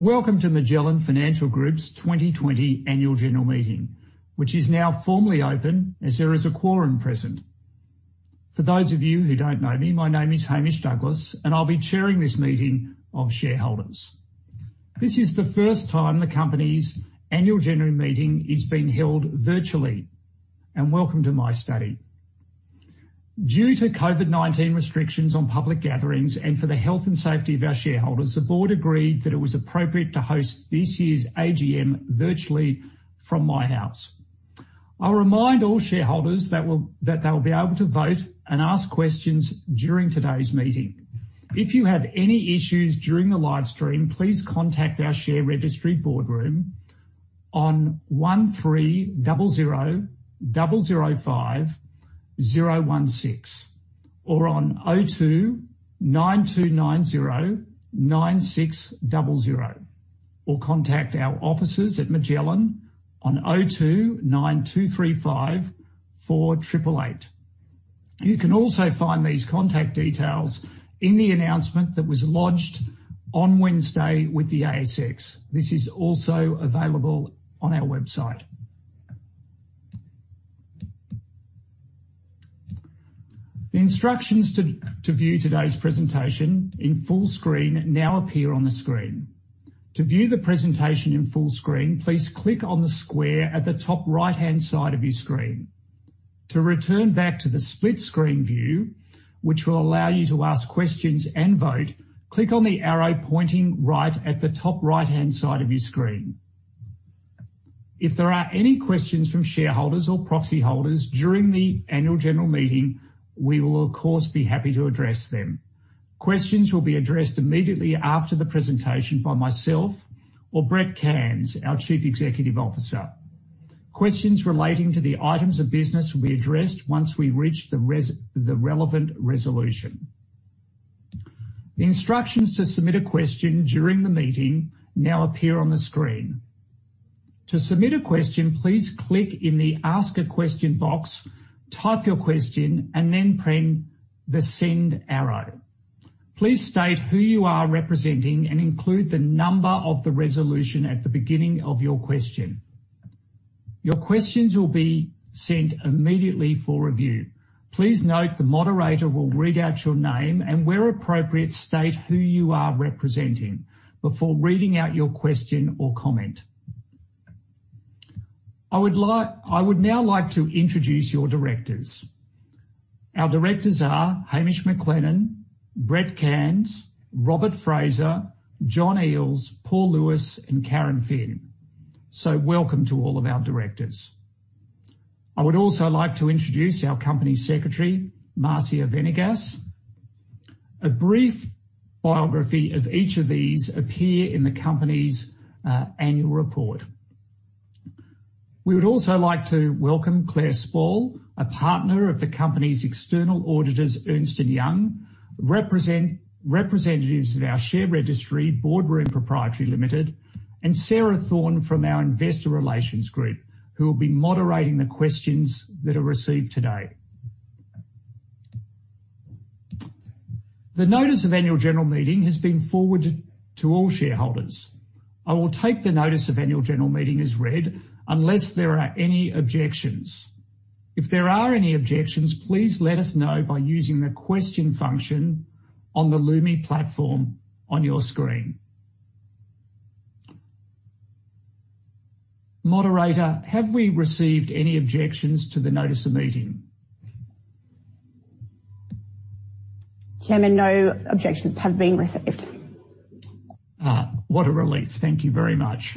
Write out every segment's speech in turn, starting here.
Welcome to Magellan Financial Group's 2020 Annual General Meeting, which is now formally open as there is a quorum present. For those of you who don't know me, my name is Hamish Douglass, and I'll be chairing this meeting of shareholders. This is the first time the company's annual general meeting is being held virtually, and welcome to my study. Due to COVID-19 restrictions on public gatherings and for the health and safety of our shareholders, the board agreed that it was appropriate to host this year's AGM virtually from my house. I'll remind all shareholders that they will be able to vote and ask questions during today's meeting. If you have any issues during the live stream, please contact our share registry Boardroom on 1300005016 or on 0292909600. Contact our offices at Magellan on 0292354888. You can also find these contact details in the announcement that was lodged on Wednesday with the ASX. This is also available on our website. The instructions to view today's presentation in full screen now appear on the screen. To view the presentation in full screen, please click on the square at the top right-hand side of your screen. To return back to the split screen view, which will allow you to ask questions and vote, click on the arrow pointing right at the top right-hand side of your screen. If there are any questions from shareholders or proxy holders during the annual general meeting, we will of course be happy to address them. Questions will be addressed immediately after the presentation by myself or Brett Cairns, our Chief Executive Officer. Questions relating to the items of business will be addressed once we reach the relevant resolution. The instructions to submit a question during the meeting now appear on the screen. To submit a question, please click in the Ask a Question box, type your question, and then press the send arrow. Please state who you are representing and include the number of the resolution at the beginning of your question. Your questions will be sent immediately for review. Please note the moderator will read out your name and, where appropriate, state who you are representing before reading out your question or comment. I would now like to introduce your directors. Our directors are Hamish McLennan, Brett Cairns, Robert Fraser, John Eales, Paul Lewis, and Karen Phin. Welcome to all of our directors. I would also like to introduce our company secretary, Marcia Venegas. A brief biography of each of these appear in the company's annual report. We would also like to welcome Clare Sporle, a partner of the company's external auditors, Ernst & Young, representatives of our share registry, Boardroom Pty Limited, and Sarah Thorne from our investor relations group, who will be moderating the questions that are received today. The notice of annual general meeting has been forwarded to all shareholders. I will take the notice of annual general meeting as read unless there are any objections. If there are any objections, please let us know by using the question function on the Lumi platform on your screen. Moderator, have we received any objections to the notice of meeting? Chairman, no objections have been received. What a relief. Thank you very much.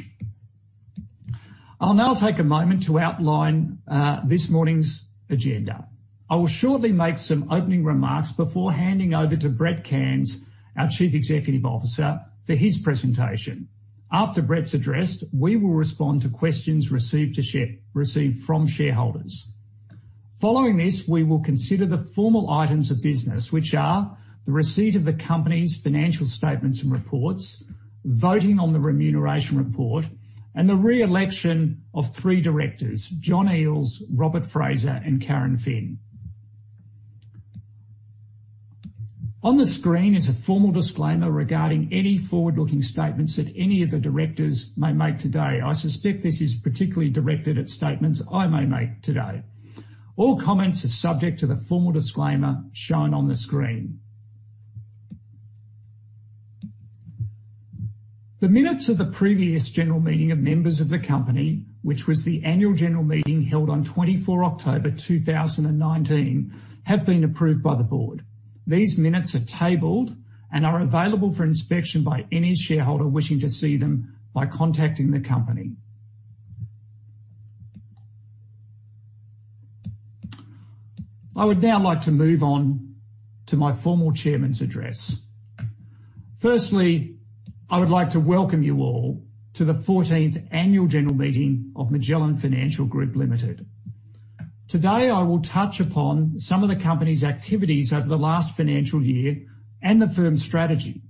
I'll now take a moment to outline this morning's agenda. I will shortly make some opening remarks before handing over to Brett Cairns, our Chief Executive Officer, for his presentation. After Brett's address, we will respond to questions received from shareholders. Following this, we will consider the formal items of business, which are the receipt of the company's financial statements and reports, voting on the remuneration report, and the re-election of three directors, John Eales, Robert Fraser, and Karen Phin. On the screen is a formal disclaimer regarding any forward-looking statements that any of the directors may make today. I suspect this is particularly directed at statements I may make today. All comments are subject to the formal disclaimer shown on the screen. The minutes of the previous general meeting of members of the company, which was the annual general meeting held on 24 October 2019, have been approved by the board. These minutes are tabled and are available for inspection by any shareholder wishing to see them by contacting the company. I would now like to move on to my formal chairman's address. Firstly, I would like to welcome you all to the 14th Annual General Meeting of Magellan Financial Group Limited. Today, I will touch upon some of the company's activities over the last financial year and the firm's strategy.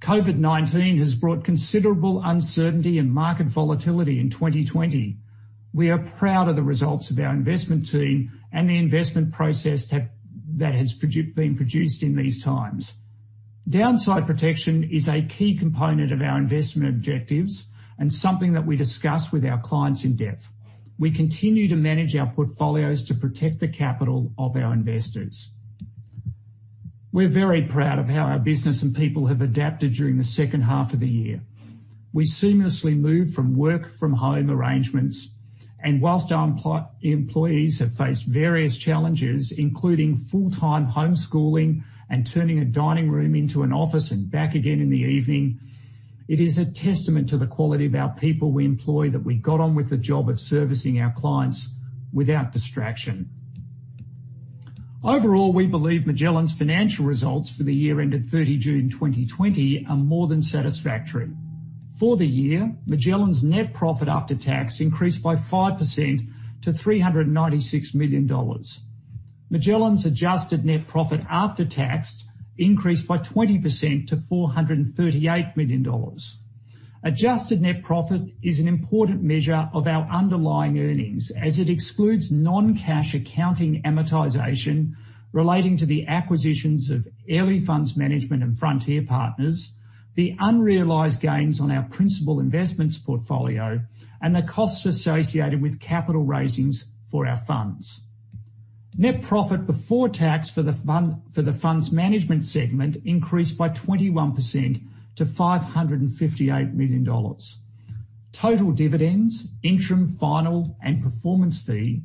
COVID-19 has brought considerable uncertainty and market volatility in 2020. We are proud of the results of our investment team and the investment process that has been produced in these times. Downside protection is a key component of our investment objectives and something that we discuss with our clients in depth. We continue to manage our portfolios to protect the capital of our investors. We're very proud of how our business and people have adapted during the second half of the year. We seamlessly moved from work from home arrangements, and whilst our employees have faced various challenges, including full-time homeschooling and turning a dining room into an office and back again in the evening, it is a testament to the quality of our people we employ that we got on with the job of servicing our clients without distraction. Overall, we believe Magellan's financial results for the year ended 30 June 2020 are more than satisfactory. For the year, Magellan's net profit after tax increased by 5% to 396 million dollars. Magellan's adjusted net profit after tax increased by 20% to 438 million dollars. Adjusted net profit is an important measure of our underlying earnings as it excludes non-cash accounting amortization relating to the acquisitions of Airlie Funds Management and Frontier Partners, the unrealized gains on our principal investments portfolio, and the costs associated with capital raisings for our funds. Net profit before tax for the funds management segment increased by 21% to 558 million dollars. Total dividends, interim, final, and performance fee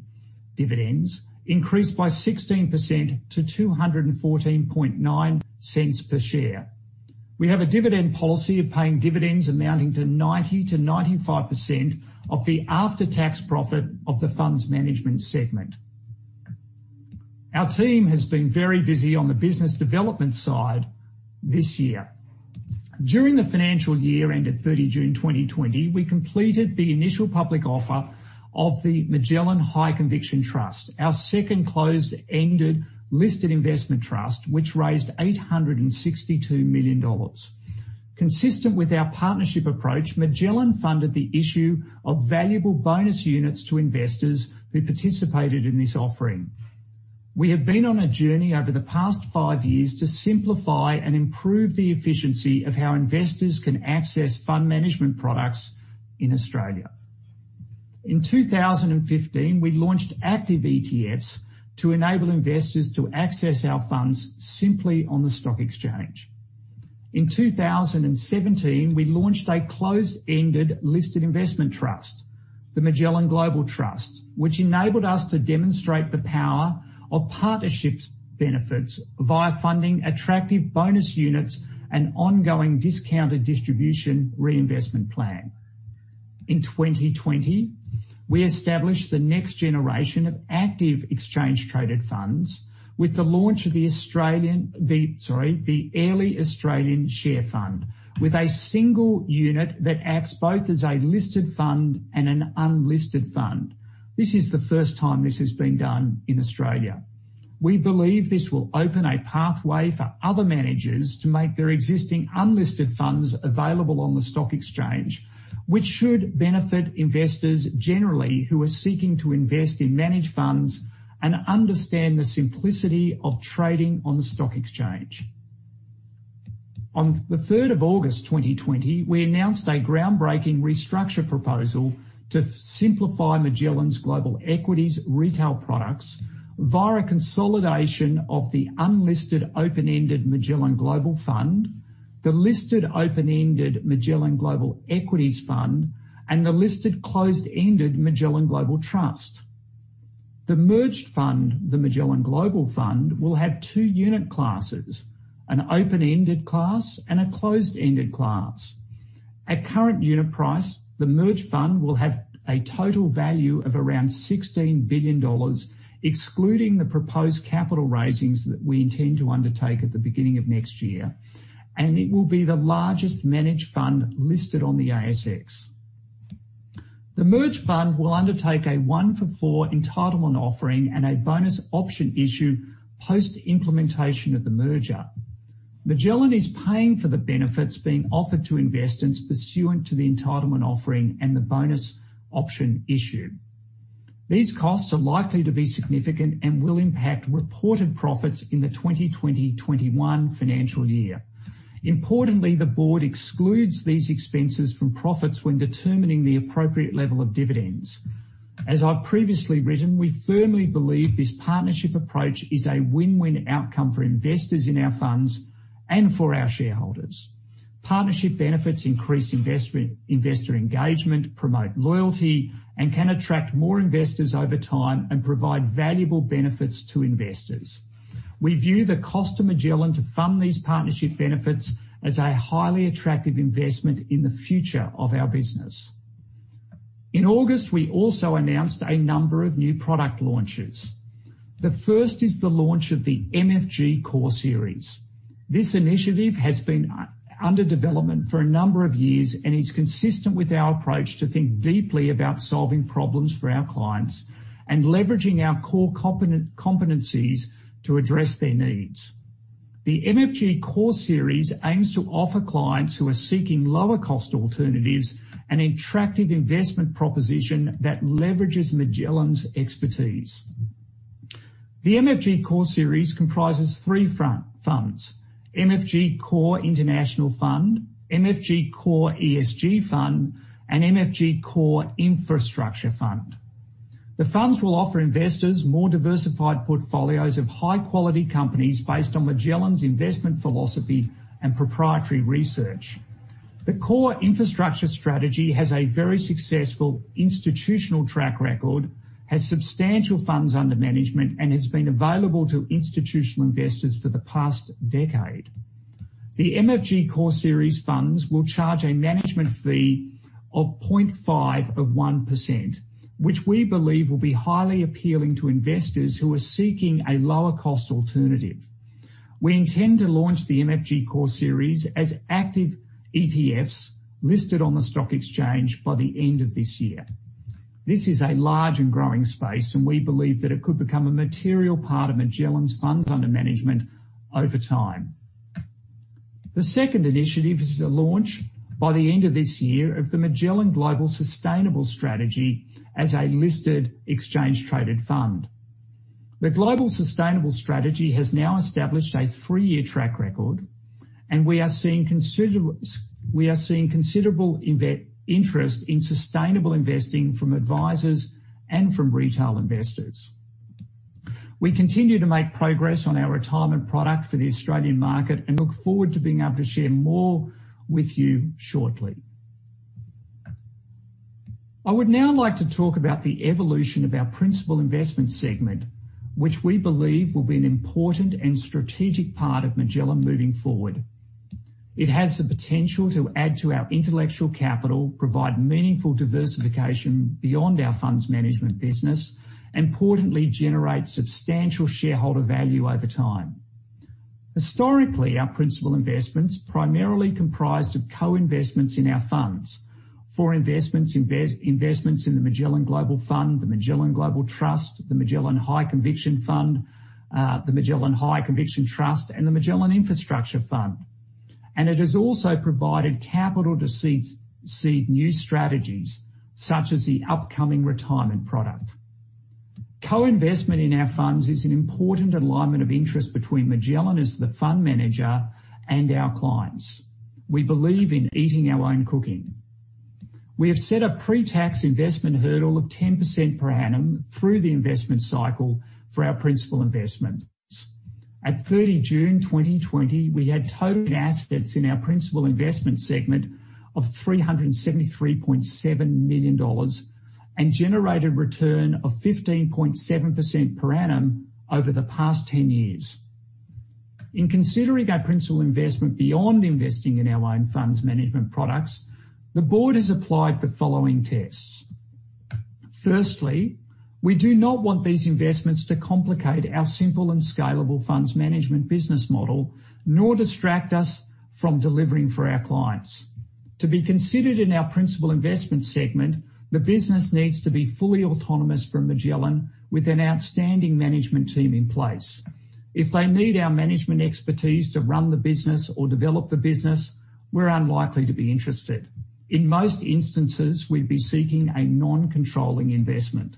dividends increased by 16% to 2.149 per share. We have a dividend policy of paying dividends amounting to 90%-95% of the after-tax profit of the funds management segment. Our team has been very busy on the business development side this year. During the financial year ended 30 June 2020, we completed the initial public offer of the Magellan High Conviction Trust, our second closed-ended listed investment trust, which raised 862 million dollars. Consistent with our partnership approach, Magellan funded the issue of valuable bonus units to investors who participated in this offering. We have been on a journey over the past five years to simplify and improve the efficiency of how investors can access fund management products in Australia. In 2015, we launched active ETFs to enable investors to access our funds simply on the stock exchange. In 2017, we launched a closed-ended listed investment trust, the Magellan Global Trust, which enabled us to demonstrate the power of partnerships benefits via funding attractive bonus units and ongoing discounted distribution reinvestment plan. In 2020, we established the next generation of active exchange traded funds with the launch of the Airlie Australian Share Fund, with a single unit that acts both as a listed fund and an unlisted fund. This is the first time this has been done in Australia. We believe this will open a pathway for other managers to make their existing unlisted funds available on the stock exchange, which should benefit investors generally who are seeking to invest in managed funds and understand the simplicity of trading on the stock exchange. On the 3rd of August 2020, we announced a groundbreaking restructure proposal to simplify Magellan's global equities retail products via consolidation of the unlisted open-ended Magellan Global Fund, the listed open-ended Magellan Global Equities Fund, and the listed closed-ended Magellan Global Trust. The merged fund, the Magellan Global Fund, will have two unit classes: an open-ended class and a closed-ended class. At current unit price, the merged fund will have a total value of around 16 billion dollars, excluding the proposed capital raisings that we intend to undertake at the beginning of next year, and it will be the largest managed fund listed on the ASX. The merged fund will undertake a 1-for-4 entitlement offering and a bonus option issue post-implementation of the merger. Magellan is paying for the benefits being offered to investors pursuant to the entitlement offering and the bonus option issue. These costs are likely to be significant and will impact reported profits in the 2020-2021 financial year. Importantly, the board excludes these expenses from profits when determining the appropriate level of dividends. As I've previously written, we firmly believe this partnership approach is a win-win outcome for investors in our funds and for our shareholders. Partnership benefits increase investor engagement, promote loyalty, and can attract more investors over time and provide valuable benefits to investors. We view the cost to Magellan to fund these partnership benefits as a highly attractive investment in the future of our business. In August, we also announced a number of new product launches. The first is the launch of the MFG Core Series. This initiative has been under development for a number of years and is consistent with our approach to think deeply about solving problems for our clients and leveraging our core competencies to address their needs. The MFG Core Series aims to offer clients who are seeking lower cost alternatives an attractive investment proposition that leverages Magellan's expertise. The MFG Core Series comprises three funds: MFG Core International Fund, MFG Core ESG Fund, and MFG Core Infrastructure Fund. The funds will offer investors more diversified portfolios of high quality companies based on Magellan's investment philosophy and proprietary research. The core infrastructure strategy has a very successful institutional track record, has substantial funds under management, and has been available to institutional investors for the past decade. The MFG Core Series funds will charge a management fee of 0.5 of 1%, which we believe will be highly appealing to investors who are seeking a lower cost alternative. We intend to launch the MFG Core Series as active ETFs listed on the stock exchange by the end of this year. This is a large and growing space. We believe that it could become a material part of Magellan's funds under management over time. The second initiative is the launch by the end of this year of the Magellan Global Sustainable Strategy as a listed exchange traded fund. The Global Sustainable Strategy has now established a three-year track record. We are seeing considerable interest in sustainable investing from advisors and from retail investors. We continue to make progress on our retirement product for the Australian market and look forward to being able to share more with you shortly. I would now like to talk about the evolution of our principal investment segment, which we believe will be an important and strategic part of Magellan moving forward. It has the potential to add to our intellectual capital, provide meaningful diversification beyond our funds management business, and importantly, generate substantial shareholder value over time. Historically, our principal investments primarily comprised of co-investments in our funds. For investments in the Magellan Global Fund, the Magellan Global Trust, the Magellan High Conviction Fund, the Magellan High Conviction Trust, and the Magellan Infrastructure Fund. It has also provided capital to seed new strategies such as the upcoming retirement product. Co-investment in our funds is an important alignment of interest between Magellan as the fund manager and our clients. We believe in eating our own cooking. We have set a pre-tax investment hurdle of 10% per annum through the investment cycle for our principal investments. At 30 June 2020, we had total assets in our principal investment segment of 373.7 million dollars and generated return of 15.7% per annum over the past 10 years. In considering our principal investment beyond investing in our own funds management products, the board has applied the following tests. Firstly, we do not want these investments to complicate our simple and scalable funds management business model, nor distract us from delivering for our clients. To be considered in our principal investment segment, the business needs to be fully autonomous from Magellan with an outstanding management team in place. If they need our management expertise to run the business or develop the business, we're unlikely to be interested. In most instances, we'd be seeking a non-controlling investment.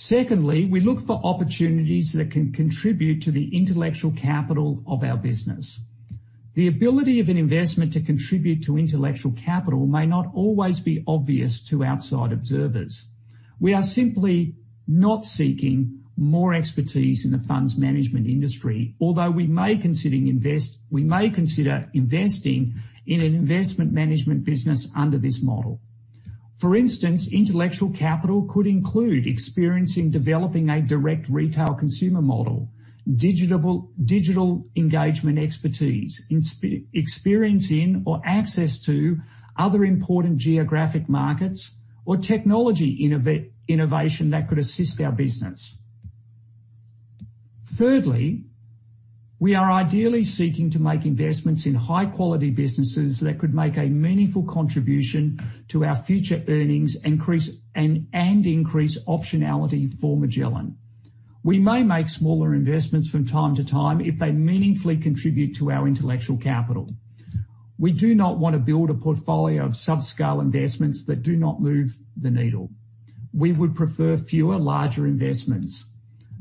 Secondly, we look for opportunities that can contribute to the intellectual capital of our business. The ability of an investment to contribute to intellectual capital may not always be obvious to outside observers. We are simply not seeking more expertise in the funds management industry, although we may consider investing in an investment management business under this model. For instance, intellectual capital could include experience in developing a direct retail consumer model, digital engagement expertise, experience in or access to other important geographic markets, or technology innovation that could assist our business. Thirdly, we are ideally seeking to make investments in high quality businesses that could make a meaningful contribution to our future earnings, and increase optionality for Magellan. We may make smaller investments from time to time if they meaningfully contribute to our intellectual capital. We do not want to build a portfolio of subscale investments that do not move the needle. We would prefer fewer, larger investments.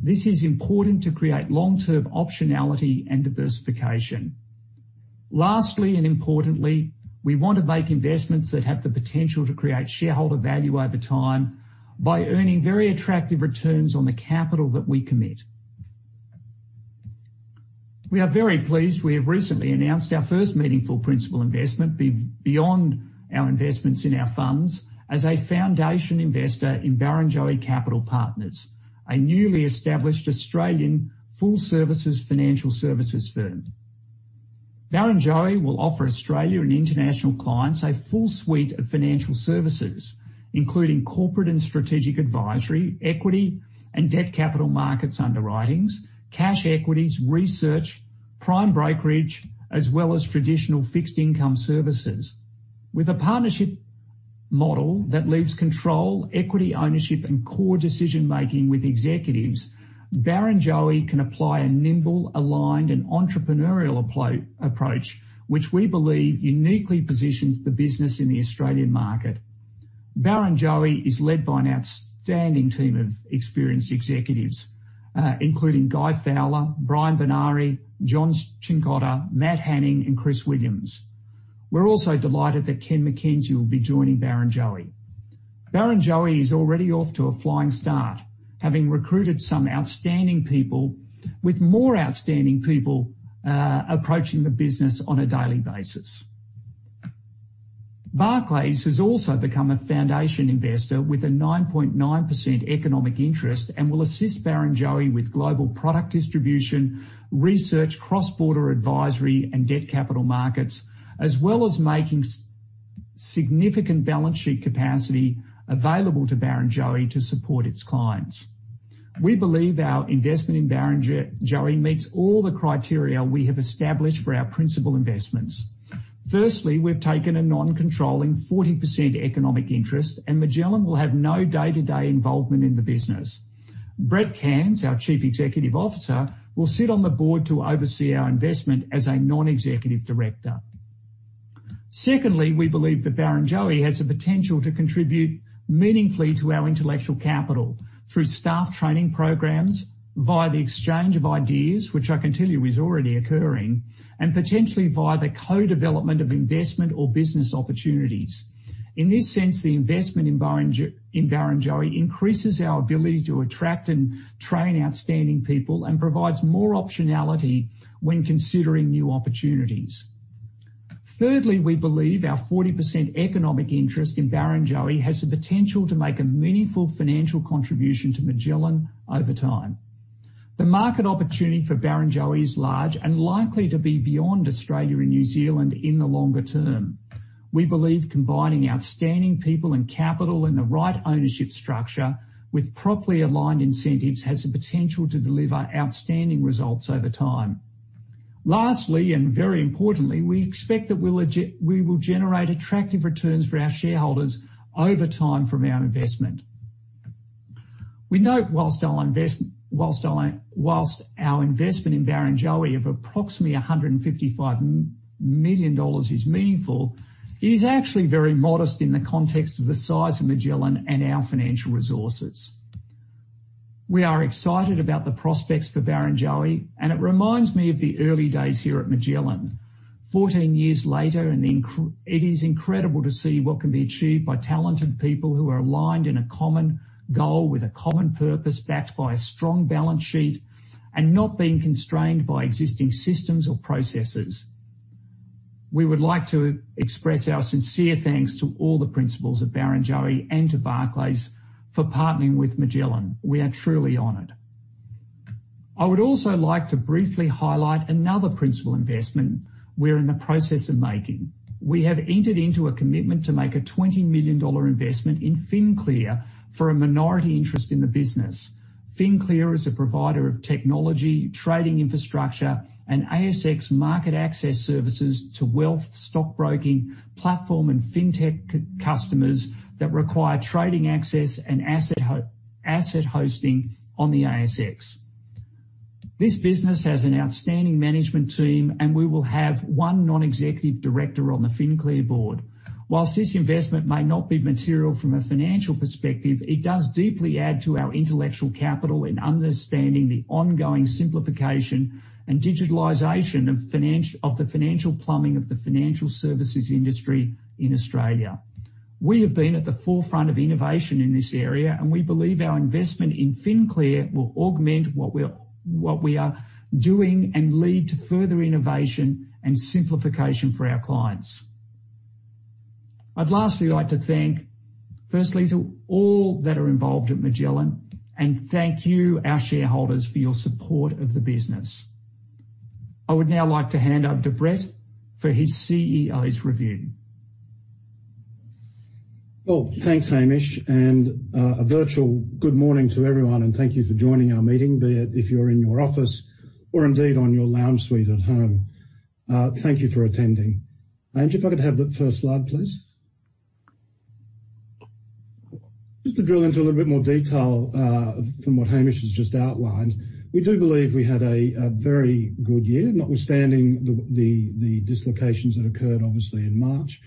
This is important to create long-term optionality and diversification. Lastly and importantly, we want to make investments that have the potential to create shareholder value over time by earning very attractive returns on the capital that we commit. We are very pleased we have recently announced our first meaningful principal investment beyond our investments in our funds as a foundation investor in Barrenjoey Capital Partners, a newly established Australian full-service financial services firm. Barrenjoey will offer Australia and international clients a full suite of financial services, including corporate and strategic advisory, equity and debt capital markets underwritings, cash equities, research, prime brokerage, as well as traditional fixed income services. With a partnership model that leaves control, equity, ownership, and core decision-making with executives. Barrenjoey can apply a nimble, aligned, and entrepreneurial approach, which we believe uniquely positions the business in the Australian market. Barrenjoey is led by an outstanding team of experienced executives, including Guy Fowler, Brian Benari, John Cincotta, Matt Hanning, and Chris Williams. We are also delighted that Ken MacKenzie will be joining Barrenjoey. Barrenjoey is already off to a flying start, having recruited some outstanding people, with more outstanding people approaching the business on a daily basis. Barclays has also become a foundation investor with a 9.9% economic interest and will assist Barrenjoey with global product distribution, research, cross-border advisory, and debt capital markets, as well as making significant balance sheet capacity available to Barrenjoey to support its clients. We believe our investment in Barrenjoey meets all the criteria we have established for our principal investments. Firstly, we've taken a non-controlling 40% economic interest, and Magellan will have no day-to-day involvement in the business. Brett Cairns, our Chief Executive Officer, will sit on the board to oversee our investment as a non-executive director. Secondly, we believe that Barrenjoey has the potential to contribute meaningfully to our intellectual capital through staff training programs, via the exchange of ideas, which I can tell you is already occurring, and potentially via the co-development of investment or business opportunities. In this sense, the investment in Barrenjoey increases our ability to attract and train outstanding people and provides more optionality when considering new opportunities. Thirdly, we believe our 40% economic interest in Barrenjoey has the potential to make a meaningful financial contribution to Magellan over time. The market opportunity for Barrenjoey is large and likely to be beyond Australia and New Zealand in the longer term. We believe combining outstanding people and capital in the right ownership structure with properly aligned incentives has the potential to deliver outstanding results over time. Lastly, very importantly, we expect that we will generate attractive returns for our shareholders over time from our investment. We note whilst our investment in Barrenjoey of approximately 155 million dollars is meaningful, it is actually very modest in the context of the size of Magellan and our financial resources. We are excited about the prospects for Barrenjoey, it reminds me of the early days here at Magellan. 14 years later, it is incredible to see what can be achieved by talented people who are aligned in a common goal with a common purpose, backed by a strong balance sheet and not being constrained by existing systems or processes. We would like to express our sincere thanks to all the principals of Barrenjoey and to Barclays for partnering with Magellan. We are truly honored. I would also like to briefly highlight another principal investment we're in the process of making. We have entered into a commitment to make an 20 million dollar investment in FinClear for a minority interest in the business. FinClear is a provider of technology, trading infrastructure, and ASX market access services to wealth, stockbroking, platform, and fintech customers that require trading access and asset hosting on the ASX. This business has an outstanding management team, and we will have one non-executive director on the FinClear board. Whilst this investment may not be material from a financial perspective, it does deeply add to our intellectual capital in understanding the ongoing simplification and digitalization of the financial plumbing of the financial services industry in Australia. We have been at the forefront of innovation in this area, and we believe our investment in FinClear will augment what we are doing and lead to further innovation and simplification for our clients. I'd lastly like to thank firstly to all that are involved at Magellan, and thank you, our shareholders, for your support of the business. I would now like to hand over to Brett for his CEO's review. Thanks, Hamish, a virtual good morning to everyone, thank you for joining our meeting, be it if you're in your office or indeed on your lounge suite at home. Thank you for attending. Ange, if I could have the first slide, please. Just to drill into a little bit more detail, from what Hamish has just outlined, we do believe we had a very good year, notwithstanding the dislocations that occurred, obviously, in March.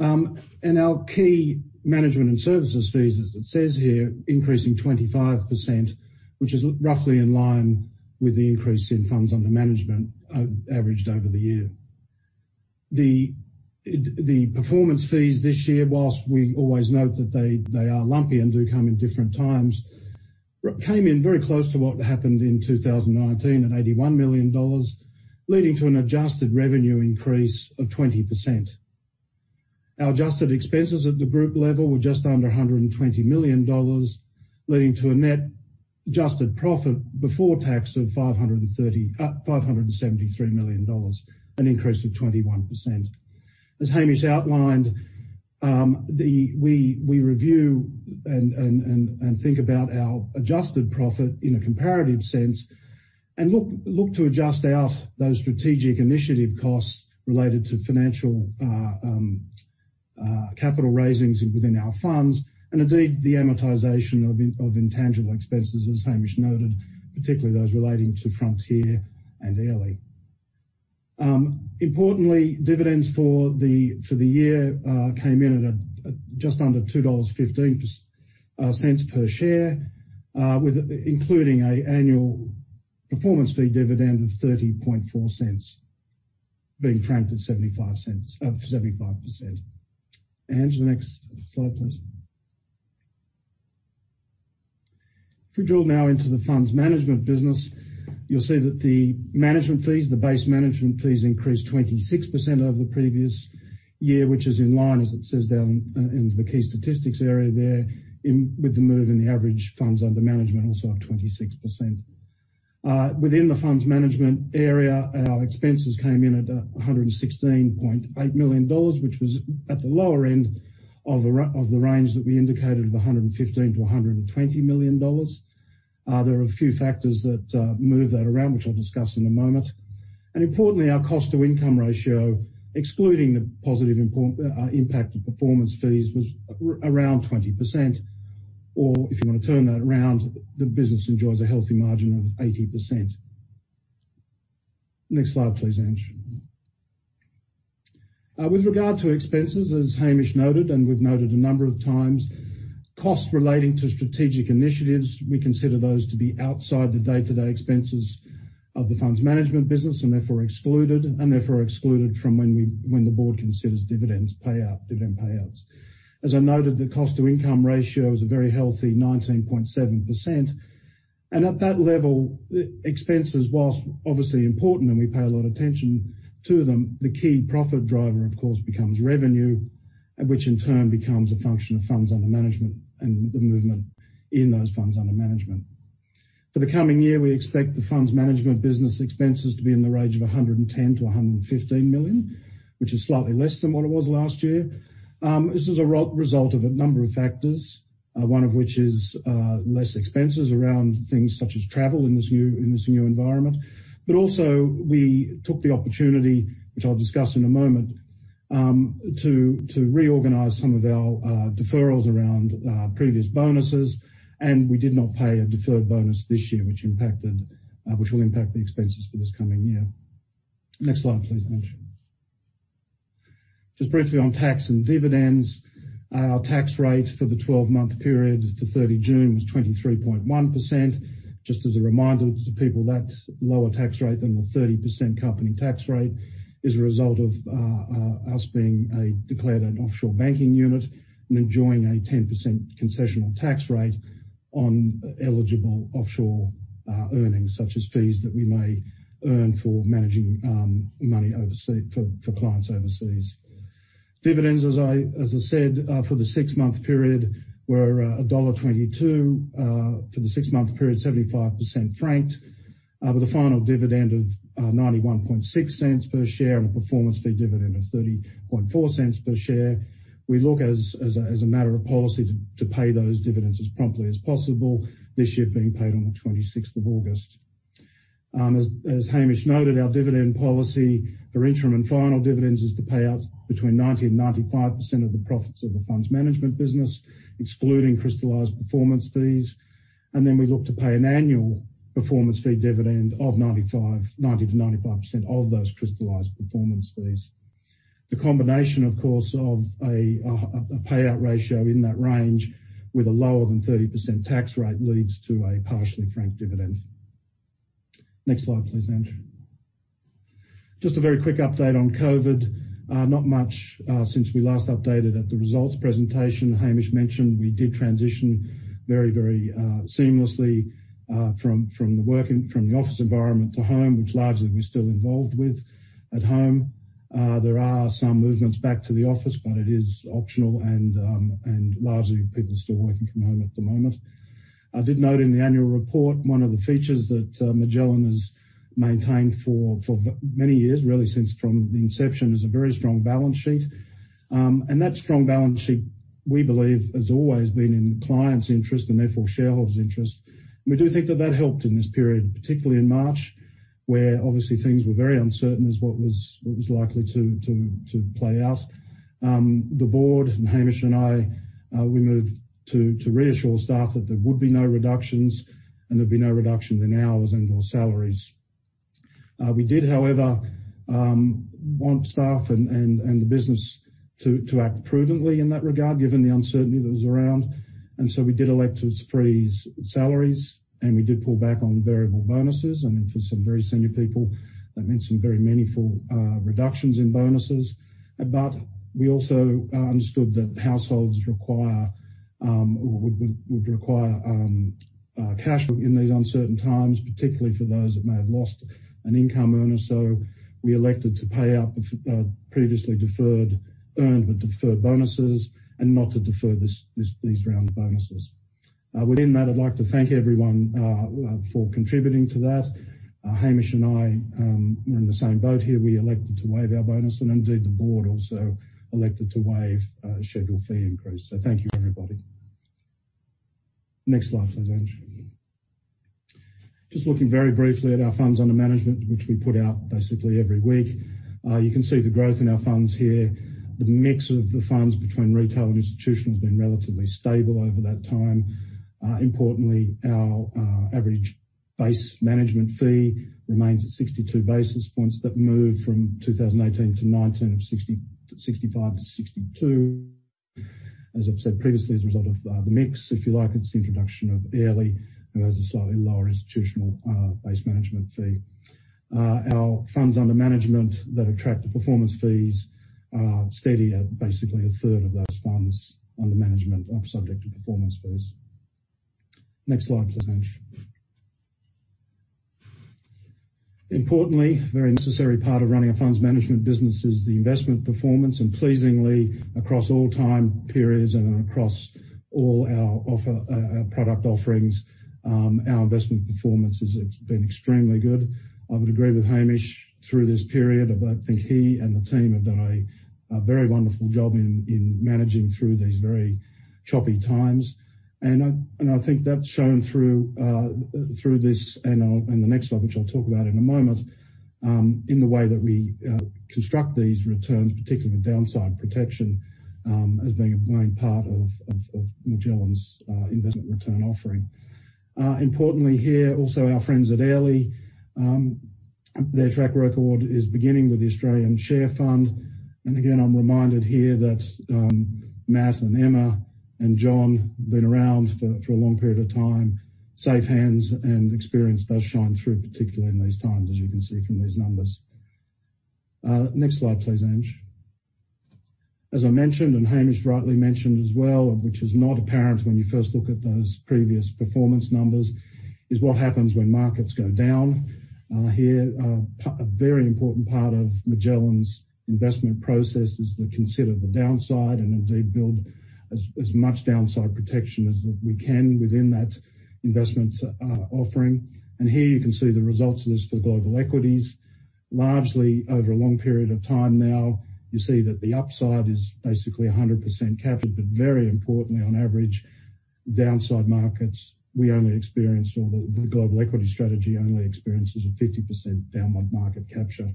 Our key management and services fees, as it says here, increasing 25%, which is roughly in line with the increase in funds under management averaged over the year. The performance fees this year, whilst we always note that they are lumpy and do come in different times, came in very close to what happened in 2019 at 81 million dollars, leading to an adjusted revenue increase of 20%. Our adjusted expenses at the group level were just under 120 million dollars, leading to a net adjusted profit before tax of 573 million dollars, an increase of 21%. As Hamish outlined, we review and think about our adjusted profit in a comparative sense. We look to adjust out those strategic initiative costs related to financial capital raisings within our funds, and indeed, the amortization of intangible expenses, as Hamish noted, particularly those relating to Frontier and Airlie. Importantly, dividends for the year came in at just under 2.15 dollars per share, including an annual performance fee dividend of 0.304, being franked at 75%. Ange, to the next slide, please. If we drill now into the funds management business, you'll see that the management fees, the base management fees increased 26% over the previous year, which is in line as it says down in the key statistics area there, with the move in the average funds under management also up 26%. Within the funds management area, our expenses came in at 116.8 million dollars, which was at the lower end of the range that we indicated of 115 million-120 million dollars. There are a few factors that move that around, which I'll discuss in a moment. Importantly, our cost to income ratio, excluding the positive impact of performance fees, was around 20%. If you want to turn that around, the business enjoys a healthy margin of 80%. Next slide, please, Ange. With regard to expenses, as Hamish noted, and we've noted a number of times, costs relating to strategic initiatives, we consider those to be outside the day-to-day expenses of the funds management business and therefore are excluded from when the board considers dividends payouts. As I noted, the cost to income ratio is a very healthy 19.7%. At that level, expenses, whilst obviously important and we pay a lot attention to them, the key profit driver of course becomes revenue, which in turn becomes a function of funds under management and the movement in those funds under management. For the coming year, we expect the funds management business expenses to be in the range of 110 million-115 million, which is slightly less than what it was last year. This is a result of a number of factors, one of which is less expenses around things such as travel in this new environment. Also, we took the opportunity, which I'll discuss in a moment, to reorganize some of our deferrals around previous bonuses, and we did not pay a deferred bonus this year, which will impact the expenses for this coming year. Next slide, please, Ange. Just briefly on tax and dividends. Our tax rate for the 12-month period to 30 June was 23.1%. Just as a reminder to people, that's a lower tax rate than the 30% company tax rate. It is a result of us being declared an Offshore Banking Unit and enjoying a 10% concessional tax rate on eligible offshore earnings, such as fees that we may earn for managing money for clients overseas. Dividends, as I said, for the six-month period were dollar 1.22, for the six-month period, 75% franked, with a final dividend of 0.916 per share and a performance fee dividend of 0.304 per share. We look as a matter of policy to pay those dividends as promptly as possible, this year being paid on the 26th of August. As Hamish noted, our dividend policy for interim and final dividends is to pay out between 90% and 95% of the profits of the funds management business, excluding crystallized performance fees. We look to pay an annual performance fee dividend of 90%-95% of those crystallized performance fees. The combination, of course, of a payout ratio in that range with a lower than 30% tax rate leads to a partially franked dividend. Next slide, please, Ange. Just a very quick update on COVID. Not much since we last updated at the results presentation. Hamish mentioned we did transition very seamlessly from the office environment to home, which largely we're still involved with at home. There are some movements back to the office, but it is optional and largely people are still working from home at the moment. I did note in the annual report, one of the features that Magellan has maintained for many years, really since from the inception, is a very strong balance sheet. That strong balance sheet, we believe, has always been in the client's interest and therefore shareholders' interest. We do think that that helped in this period, particularly in March, where obviously things were very uncertain as what was likely to play out. The board and Hamish and I, we moved to reassure staff that there would be no reductions and there'd be no reduction in hours and/or salaries. We did, however, want staff and the business to act prudently in that regard, given the uncertainty that was around. We did elect to freeze salaries, and we did pull back on variable bonuses. I mean, for some very senior people, that meant some very meaningful reductions in bonuses. We also understood that households would require cash in these uncertain times, particularly for those that may have lost an income earner. We elected to pay out previously earned but deferred bonuses and not to defer these round of bonuses. Within that, I'd like to thank everyone for contributing to that. Hamish and I, we're in the same boat here. We elected to waive our bonus, and indeed, the board also elected to waive a scheduled fee increase. Thank you, everybody. Next slide, please, Ange. Just looking very briefly at our funds under management, which we put out basically every week. You can see the growth in our funds here. The mix of the funds between retail and institutional has been relatively stable over that time. Importantly, our average base management fee remains at 62 basis points. That moved from 2018-2019 of 65-62. As I've said previously, as a result of the mix, if you like, it's the introduction of Airlie, who has a slightly lower institutional base management fee. Our funds under management that attract the performance fees are steady at basically a third of those funds under management are subject to performance fees. Next slide, please, Ange. Importantly, a very necessary part of running a funds management business is the investment performance, and pleasingly, across all time periods and across all our product offerings, our investment performance has been extremely good. I would agree with Hamish, through this period, I think he and the team have done a very wonderful job in managing through these very choppy times. I think that's shown through this, and the next slide, which I'll talk about in a moment, in the way that we construct these returns, particularly with downside protection, as being a main part of Magellan's investment return offering. Importantly here, also our friends at Airlie, their track record is beginning with the Airlie Australian Share Fund. Again, I'm reminded here that Matt and Emma and John have been around for a long period of time. Safe hands and experience does shine through, particularly in these times, as you can see from these numbers. Next slide, please, Ange. As I mentioned, Hamish rightly mentioned as well, which is not apparent when you first look at those previous performance numbers, is what happens when markets go down. Here, a very important part of Magellan's investment process is to consider the downside and indeed build as much downside protection as we can within that investment offering. Here you can see the results of this for global equities. Largely, over a long period of time now, you see that the upside is basically 100% captured, but very importantly, on average, downside markets, we only experienced, or the global equity strategy only experiences a 50% downward market capture.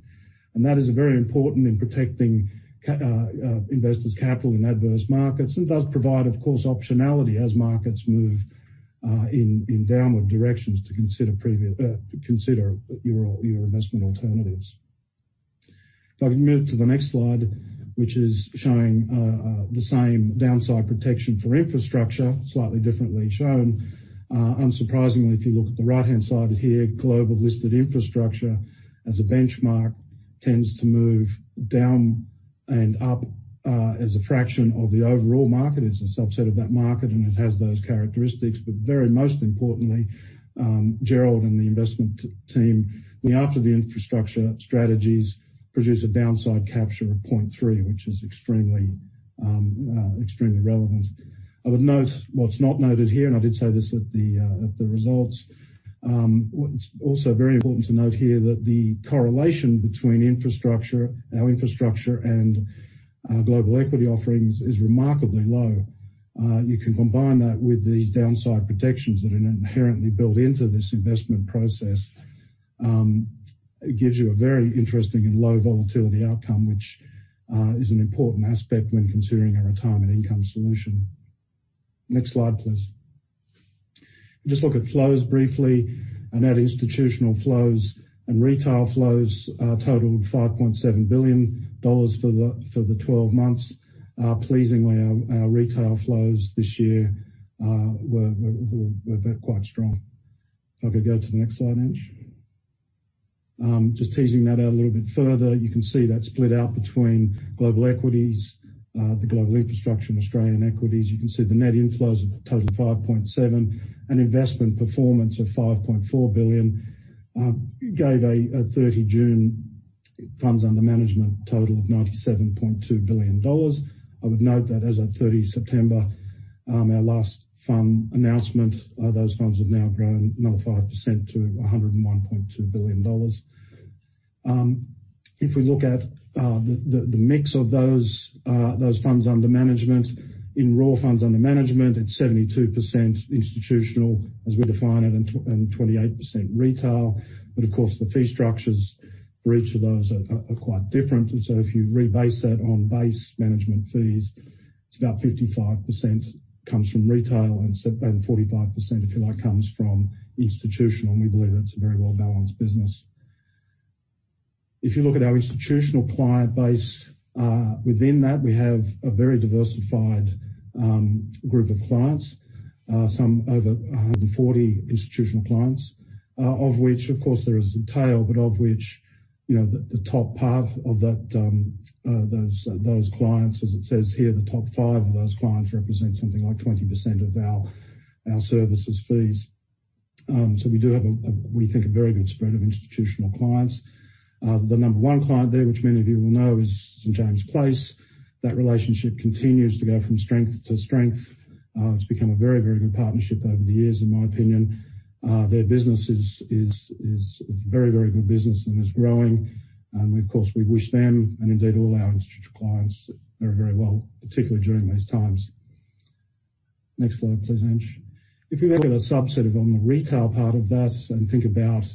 That is very important in protecting investors' capital in adverse markets and does provide, of course, optionality as markets move in downward directions to consider your investment alternatives. If I can move to the next slide, which is showing the same downside protection for infrastructure, slightly differently shown. Unsurprisingly, if you look at the right-hand side here, global listed infrastructure as a benchmark tends to move down and up as a fraction of the overall market. It's a subset of that market, and it has those characteristics. Very most importantly, Gerald and the investment team, we after the infrastructure strategies produce a downside capture of 0.3, which is extremely relevant. I would note what's not noted here, and I did say this at the results. It's also very important to note here that the correlation between our infrastructure and global equity offerings is remarkably low. You can combine that with these downside protections that are inherently built into this investment process. It gives you a very interesting and low volatility outcome, which is an important aspect when considering a retirement income solution. Next slide, please. Just look at flows briefly. Our institutional flows and retail flows totaled 5.7 billion dollars for the 12 months. Pleasingly, our retail flows this year were quite strong. If I could go to the next slide, Ange. Just teasing that out a little bit further, you can see that split out between global equities, the global infrastructure and Australian equities. You can see the net inflows of a total of 5.7 and investment performance of 5.4 billion, gave a 30 June funds under management total of 97.2 billion dollars. I would note that as at 30 September, our last fund announcement, those funds have now grown another 5% to 101.2 billion dollars. If we look at the mix of those funds under management, in raw funds under management, it's 72% institutional as we define it, and 28% retail. Of course, the fee structures for each of those are quite different. If you rebase that on base management fees, it's about 55% comes from retail and 45%, if you like, comes from institutional, and we believe that's a very well-balanced business. If you look at our institutional client base, within that we have a very diversified group of clients. Some over 140 institutional clients, of which, of course, there is a tail, but of which the top part of those clients, as it says here, the top five of those clients represent something like 20% of our services fees. We do have, we think, a very good spread of institutional clients. The number one client there, which many of you will know, is St. James's Place. That relationship continues to go from strength to strength. It's become a very, very good partnership over the years, in my opinion. Their business is very, very good business and is growing. Of course, we wish them, and indeed all our institutional clients very, very well, particularly during these times. Next slide, please, Ange. If we look at a subset of on the retail part of that and think about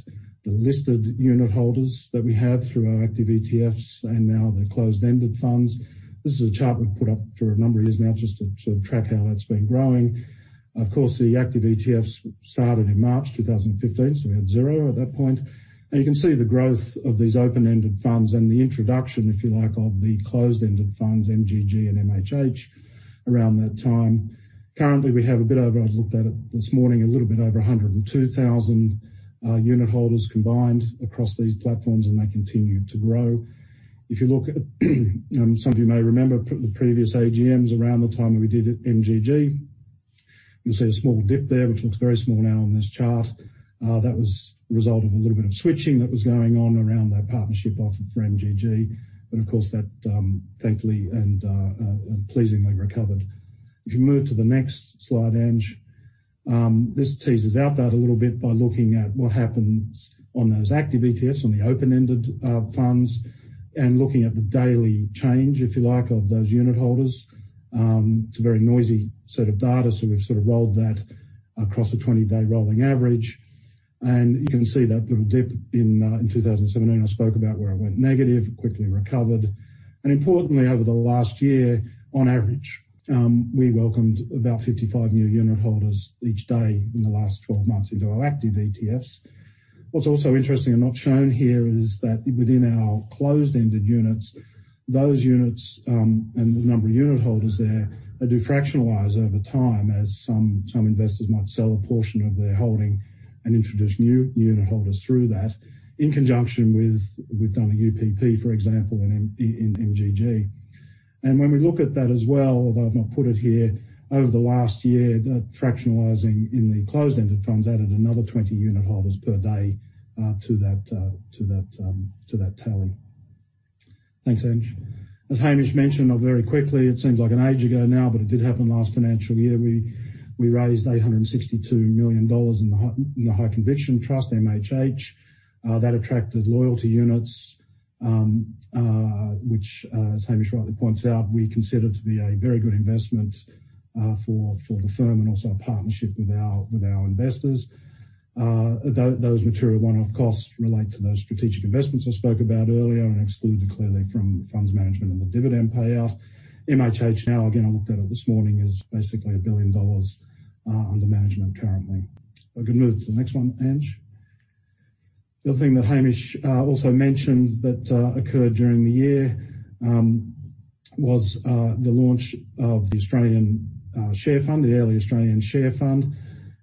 the listed unitholders that we have through our active ETFs and now the closed-ended funds, this is a chart we've put up for a number of years now just to track how that's been growing. Of course, the active ETFs started in March 2015, so we had zero at that point. You can see the growth of these open-ended funds and the introduction, if you like, of the closed-ended funds, MGG and MHH, around that time. Currently, we have a bit over, I looked at it this morning, a little bit over 102,000 unitholders combined across these platforms, and they continue to grow. You look at, some of you may remember the previous AGMs around the time we did it, MGG, you'll see a small dip there, which looks very small now on this chart. That was a result of a little bit of switching that was going on around that partnership offer for MGG. Of course, that thankfully and pleasingly recovered. You move to the next slide, Ange. This teases out that a little bit by looking at what happens on those active ETFs, on the open-ended funds, and looking at the daily change, if you like, of those unitholders. It's a very noisy set of data, we've sort of rolled that across a 20-day rolling average. You can see that little dip in 2017 I spoke about where it went negative, quickly recovered. Importantly, over the last year, on average, we welcomed about 55 new unitholders each day in the last 12 months into our active ETFs. What's also interesting and not shown here is that within our closed-ended units, those units, and the number of unitholders there, do fractionalize over time as some investors might sell a portion of their holding and introduce new unitholders through that in conjunction with, we've done a UPP, for example, in MGG. When we look at that as well, although I've not put it here, over the last year, that fractionalizing in the closed-ended funds added another 20 unitholders per day to that tally. Thanks, Ange. As Hamish mentioned, very quickly, it seems like an age ago now, but it did happen last financial year, we raised 862 million dollars in the High Conviction Trust, MHH. That attracted loyalty units, which as Hamish rightly points out, we consider to be a very good investment for the firm and also a partnership with our investors. Those material one-off costs relate to those strategic investments I spoke about earlier and excluded clearly from funds management and the dividend payout. MHH now, again, I looked at it this morning, is basically 1 billion dollars under management currently. We can move to the next one, Ange. The other thing that Hamish also mentioned that occurred during the year, was the launch of the Australian share fund, the Airlie Australian Share Fund.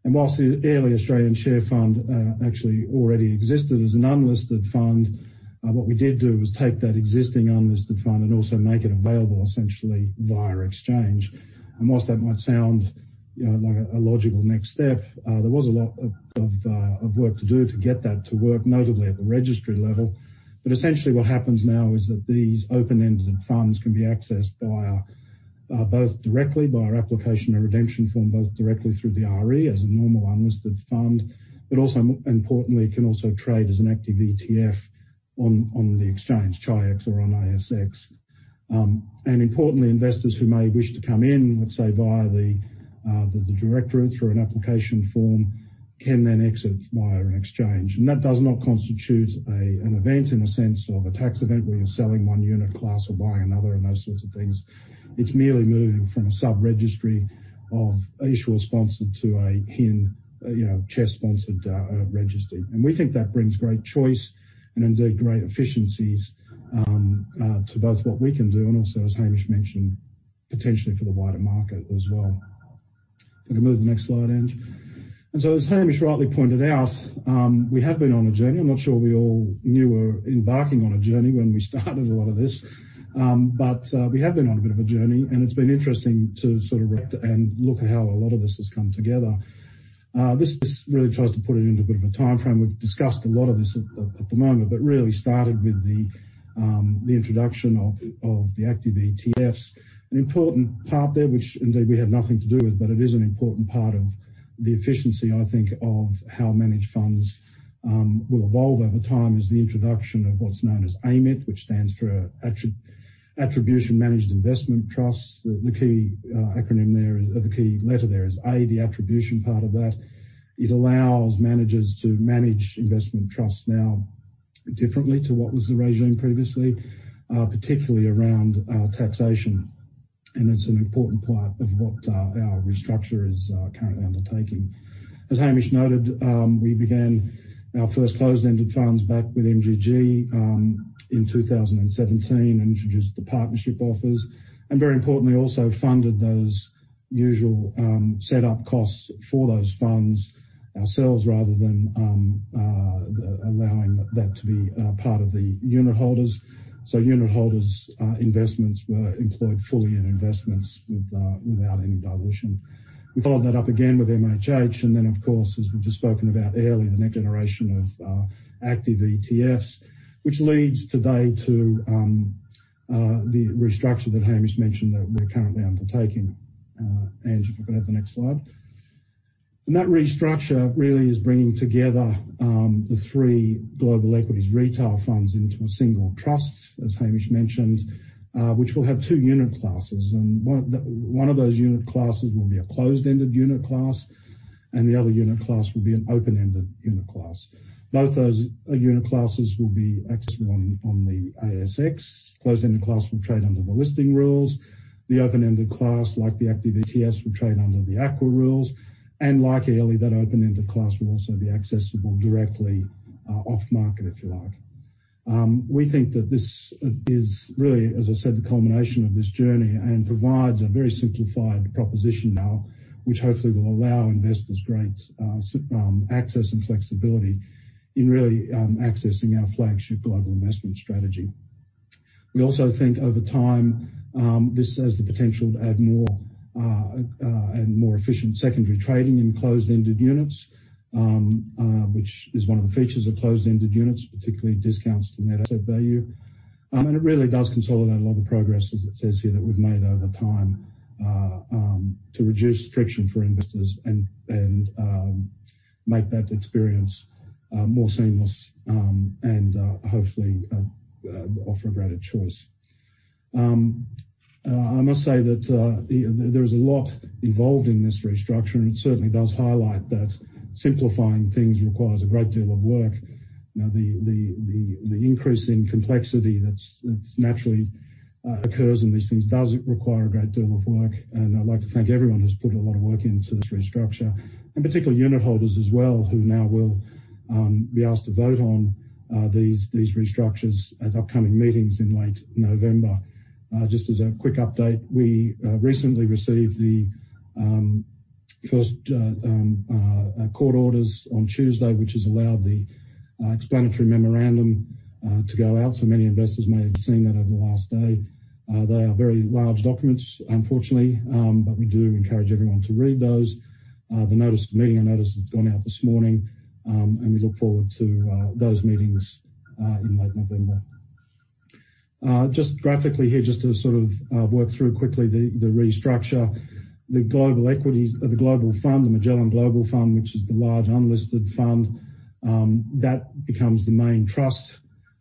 Whilst the Airlie Australian Share Fund actually already existed as an unlisted fund, what we did do was take that existing unlisted fund and also make it available essentially via exchange. Whilst that might sound like a logical next step, there was a lot of work to do to get that to work, notably at the registry level. Essentially what happens now is that these open-ended funds can be accessed both directly by our application and redemption form, both directly through the RE as a normal unlisted fund, but also importantly, can also trade as an active ETF on the exchange, Chi-X or on ASX. Importantly, investors who may wish to come in, let's say, via the direct route through an application form, can then exit via an exchange. That does not constitute an event in the sense of a tax event where you're selling one unit class or buying another and those sorts of things. It's merely moving from a sub-registry of issuer sponsored to a HIN, CHESS sponsored registry. We think that brings great choice and indeed great efficiencies, to both what we can do and also as Hamish mentioned, potentially for the wider market as well. If we can move to the next slide, Ange. As Hamish rightly pointed out, we have been on a journey. I'm not sure we all knew we were embarking on a journey when we started a lot of this. We have been on a bit of a journey, and it's been interesting to sort of look at how a lot of this has come together. This really tries to put it into a bit of a timeframe. We've discussed a lot of this at the moment, really started with the introduction of the active ETFs. An important part there, which indeed we have nothing to do with, it is an important part of the efficiency, I think, of how managed funds will evolve over time, is the introduction of what's known as AMIT, which stands for Attribution Managed Investment Trust. The key letter there is A, the attribution part of that. It allows managers to manage investment trusts now differently to what was the regime previously, particularly around taxation. It's an important part of what our restructure is currently undertaking. As Hamish noted, we began our first closed-ended funds back with MGG, in 2017, and introduced the partnership offers, and very importantly, also funded those usual setup costs for those funds ourselves rather than allowing that to be part of the unitholders. Unitholders' investments were employed fully in investments without any dilution. We followed that up again with MHH, and then of course, as we've just spoken about earlier, the next generation of active ETFs, which leads today to the restructure that Hamish mentioned that we're currently undertaking. Ange, if we could have the next slide. That restructure really is bringing together, the three global equities retail funds into a single trust, as Hamish mentioned, which will have two unit classes. One of those unit classes will be a closed-ended unit class, and the other unit class will be an open-ended unit class. Both those unit classes will be accessible on the ASX. Closed-ended class will trade under the listing rules. The open-ended class, like the active ETFs, will trade under the AQUA Rules. Like Airlie, that open-ended class will also be accessible directly off-market, if you like. We think that this is really, as I said, the culmination of this journey and provides a very simplified proposition now, which hopefully will allow investors great access and flexibility in really accessing our flagship global investment strategy. We also think over time, this has the potential to add more efficient secondary trading in closed-ended units, which is one of the features of closed-ended units, particularly discounts to net asset value. It really does consolidate a lot of the progress, as it says here, that we've made over time to reduce friction for investors and make that experience more seamless, and hopefully offer a greater choice. I must say that there is a lot involved in this restructure, and it certainly does highlight that simplifying things requires a great deal of work. The increase in complexity that naturally occurs in these things does require a great deal of work. I'd like to thank everyone who's put a lot of work into this restructure, and particularly unitholders as well, who now will be asked to vote on these restructures at upcoming meetings in late November. Just as a quick update, we recently received the first court orders on Tuesday, which has allowed the explanatory memorandum to go out. Many investors may have seen that over the last day. They are very large documents, unfortunately, but we do encourage everyone to read those. The notice of meeting, I notice, has gone out this morning, and we look forward to those meetings, in late November. Just graphically here, just to sort of work through quickly the restructure. The global equities of the global fund, the Magellan Global Fund, which is the large unlisted fund, that becomes the main trust.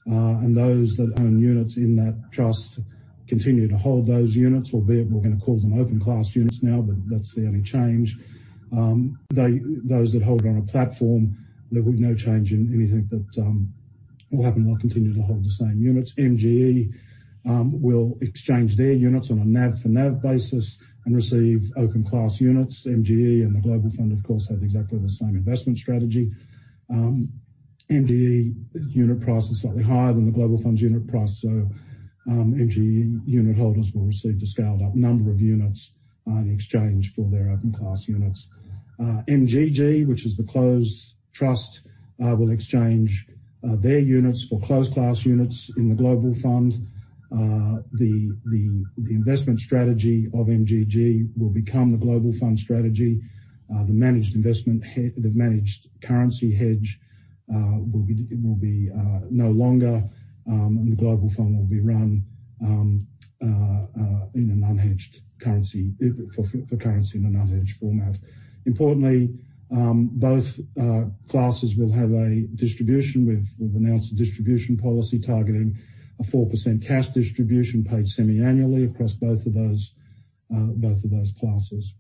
Those that own units in that trust continue to hold those units, albeit we're going to call them open class units now, but that's the only change. Those that hold on a platform, there will be no change in anything that will happen. They'll continue to hold the same units. MGE will exchange their units on a NAV for NAV basis and receive open class units. MGE and the Global Fund, of course, have exactly the same investment strategy. MGE unit price is slightly higher than the Global Fund's unit price, so MGE unitholders will receive the scaled-up number of units in exchange for their open class units. MGG, which is the closed trust, will exchange their units for closed class units in the Global Fund. The investment strategy of MGG will become the Global Fund strategy. The managed currency hedge will be no longer, and the Global Fund will be run for currency in an unhedged format. Importantly, both classes will have a distribution. We've announced a distribution policy targeting a 4% cash distribution paid semi-annually across both of those classes.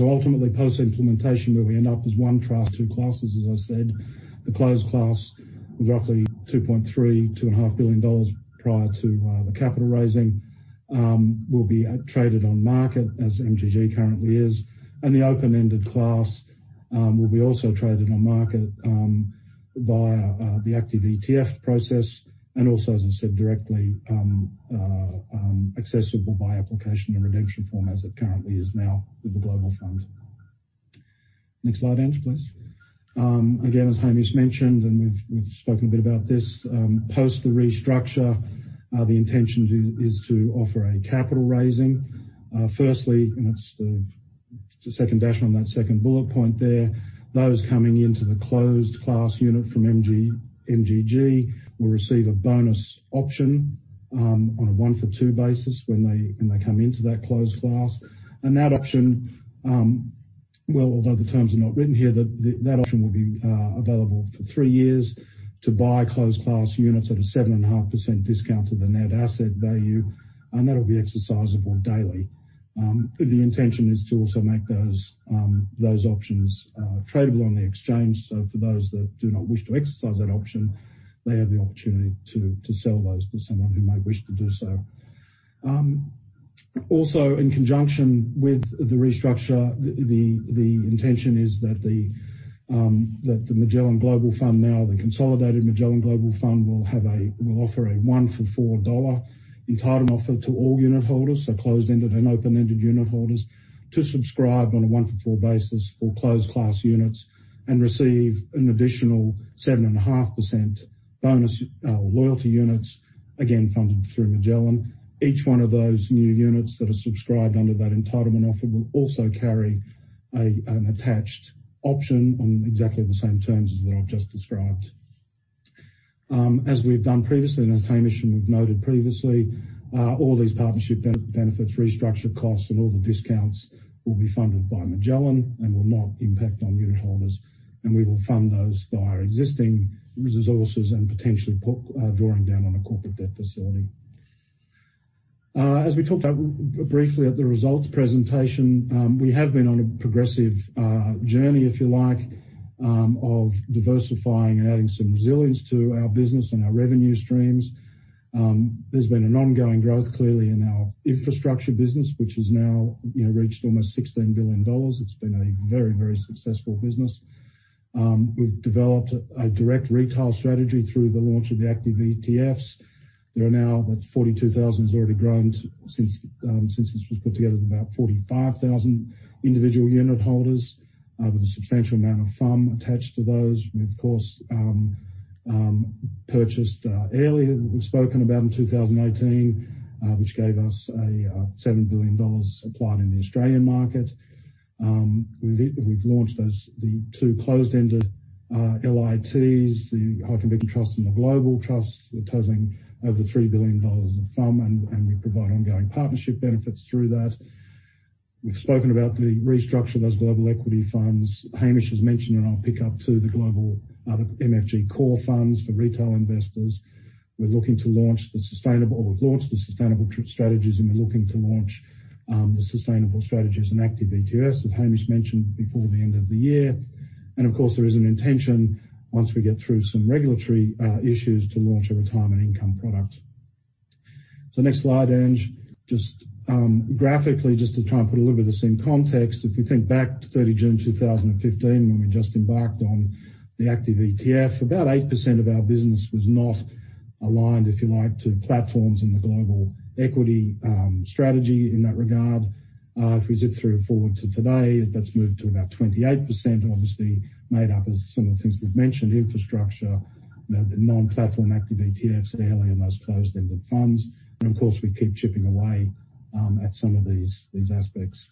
Ultimately, post-implementation, where we end up is one trust, two classes, as I said. The closed class with roughly 2.3 billion dollars, AUD 2.5 billion prior to the capital raising, will be traded on market as MGG currently is. The open-ended class will be also traded on market via the active ETF process, and also, as I said, directly accessible by application and redemption form as it currently is now with the Global Fund. Next slide, Ange, please. As Hamish mentioned, and we've spoken a bit about this, post the restructure, the intention is to offer a capital raising. Firstly, it's the second dash on that second bullet point there. Those coming into the closed class unit from MGG will receive a bonus option, on a one-for-two basis when they come into that closed class. That option, well, although the terms are not written here, that option will be available for three years to buy closed class units at a seven and a half percent discount to the net asset value. That'll be exercisable daily. The intention is to also make those options tradable on the exchange. For those that do not wish to exercise that option, they have the opportunity to sell those to someone who may wish to do so. Also in conjunction with the restructure, the intention is that the Magellan Global Fund, now the consolidated Magellan Global Fund, will offer a 1-for-4 AUD entitlement offer to all unitholders, so closed-ended and open-ended unitholders, to subscribe on a 1-for-4 basis for closed class units and receive an additional seven-and-a-half% bonus loyalty units, again, funded through Magellan. Each one of those new units that are subscribed under that entitlement offer will also carry an attached option on exactly the same terms as that I've just described. We've done previously, and as Hamish and we've noted previously, all these partnership benefits, restructure costs, and all the discounts will be funded by Magellan and will not impact on unitholders. We will fund those via existing resources and potentially drawing down on a corporate debt facility. We talked about briefly at the results presentation, we have been on a progressive journey, if you like, of diversifying and adding some resilience to our business and our revenue streams. There's been an ongoing growth, clearly, in our infrastructure business, which has now reached almost 16 billion dollars. It's been a very successful business. We've developed a direct retail strategy through the launch of the active ETFs. There are now, that's 42,000's already grown since this was put together, about 45,000 individual unit holders with a substantial amount of FUM attached to those. We've, of course, purchased Airlie, we've spoken about in 2018, which gave us an 7 billion dollars applied in the Australian market. We've launched the two closed-ended LITs, the High Conviction Trust and the Global Trust, totaling over 3 billion dollars of FUM. We provide ongoing partnership benefits through that. We've spoken about the restructure of those global equity funds. Hamish has mentioned, I'll pick up too, the global MFG Core funds for retail investors. We've launched the sustainable strategies. We're looking to launch the sustainable strategies and active ETFs, as Hamish mentioned, before the end of the year. Of course, there is an intention, once we get through some regulatory issues, to launch a retirement income product. Next slide, Ange. Just graphically, just to try and put a little bit of this in context. If we think back to 30 June 2015, when we just embarked on the active ETF, about 8% of our business was not aligned, if you like, to platforms in the global equity strategy in that regard. If we zip through forward to today, that's moved to about 28%, obviously made up of some of the things we've mentioned, infrastructure, the non-platform active ETFs, the Airlie, and those closed-ended funds. Of course, we keep chipping away at some of these aspects.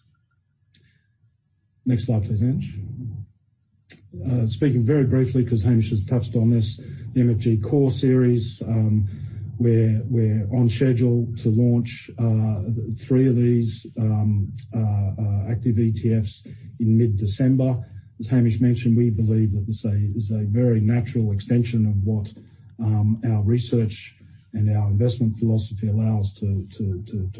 Next slide, please, Ange. Speaking very briefly, because Hamish has touched on this, the MFG Core Series. We're on schedule to launch three of these active ETFs in mid-December. As Hamish mentioned, we believe that this is a very natural extension of what our research and our investment philosophy allow us to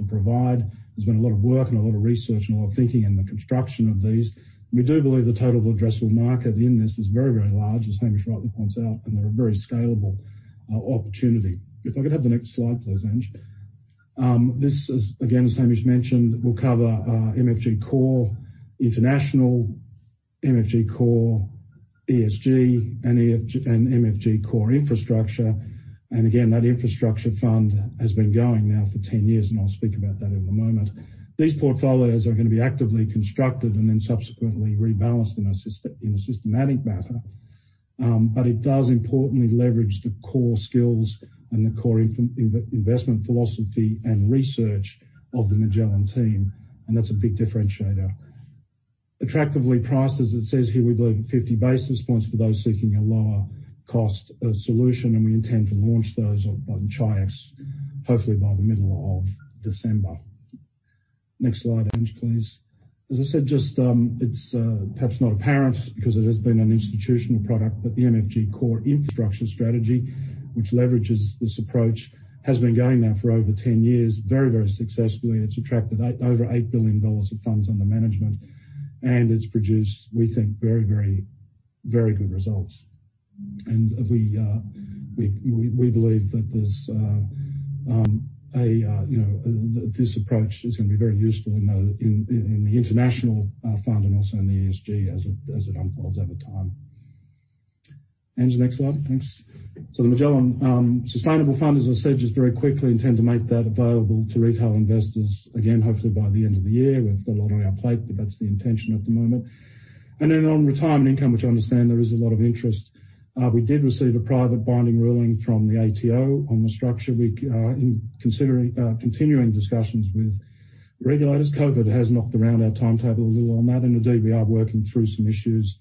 provide. There's been a lot of work and a lot of research and a lot of thinking in the construction of these. We do believe the total addressable market in this is very large, as Hamish rightly points out, and they're a very scalable opportunity. If I could have the next slide, please, Ange. This is, again, as Hamish mentioned, will cover MFG Core International, MFG Core ESG, and MFG Core Infrastructure. Again, that infrastructure fund has been going now for 10 years, and I'll speak about that in a moment. These portfolios are going to be actively constructed and then subsequently rebalanced in a systematic manner. It does importantly leverage the core skills and the core investment philosophy and research of the Magellan team, and that's a big differentiator. Attractively priced, as it says here, we believe at 50 basis points for those seeking a lower cost solution. We intend to launch those on Chi-X, hopefully by the middle of December. Next slide, Ange, please. As I said, it's perhaps not apparent because it has been an institutional product. The MFG Core Infrastructure strategy, which leverages this approach, has been going now for over 10 years very successfully. It's attracted over 8 billion dollars of funds under management. It's produced, we think, very good results. We believe that this approach is going to be very useful in the international fund and also in the ESG as it unfolds over time. Ange, next slide. Thanks. The Magellan Sustainable Fund, as I said, very quickly, we intend to make that available to retail investors again, hopefully by the end of the year. We've got a lot on our plate, but that's the intention at the moment. On retirement income, which I understand there is a lot of interest, we did receive a private binding ruling from the ATO on the structure. We're continuing discussions with regulators. COVID has knocked around our timetable a little on that, and indeed, we are working through some issues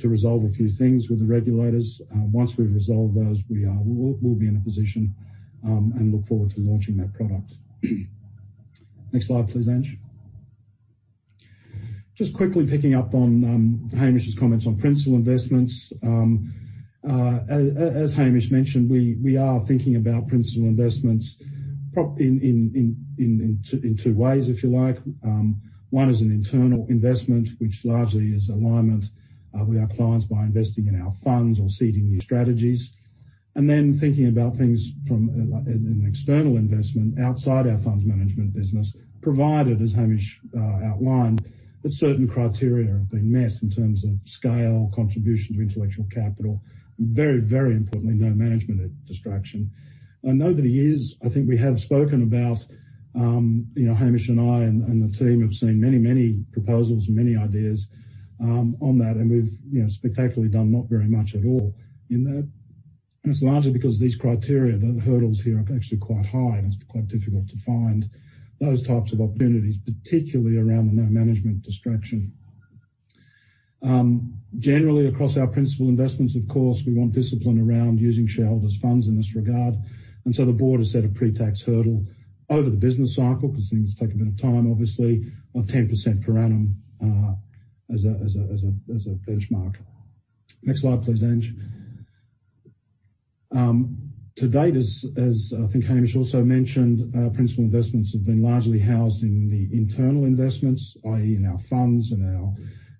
to resolve a few things with the regulators. Once we've resolved those, we'll be in a position and look forward to launching that product. Next slide, please, Ange. Just quickly picking up on Hamish's comments on principal investments. As Hamish mentioned, we are thinking about principal investments in two ways, if you like. One is an internal investment, which largely is alignment with our clients by investing in our funds or seeding new strategies. Thinking about things from an external investment outside our funds management business, provided, as Hamish outlined, that certain criteria have been met in terms of scale, contribution to intellectual capital, and very importantly, no management distraction. I know that Hamish and I and the team have seen many proposals and many ideas on that, and we've spectacularly done not very much at all in that. It's largely because these criteria, the hurdles here are actually quite high, and it's quite difficult to find those types of opportunities, particularly around the no management distraction. Generally, across our principal investments, of course, we want discipline around using shareholders' funds in this regard. The board has set a pre-tax hurdle over the business cycle, because things take a bit of time, obviously, of 10% per annum as a benchmark. Next slide, please, Ange. To date, as I think Hamish also mentioned, principal investments have been largely housed in the internal investments, i.e., in our funds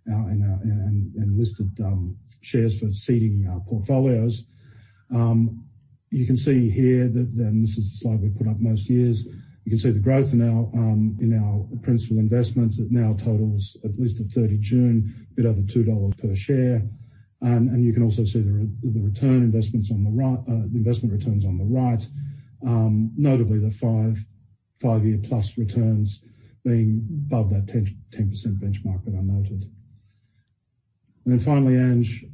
and listed shares for seeding our portfolios. You can see here that, this is a slide we put up most years, you can see the growth in our principal investments that now totals at least at 30 June a bit over 2 dollars per share. You can also see the investment returns on the right, notably the five-year plus returns being above that 10% benchmark that I noted. Finally, Ange,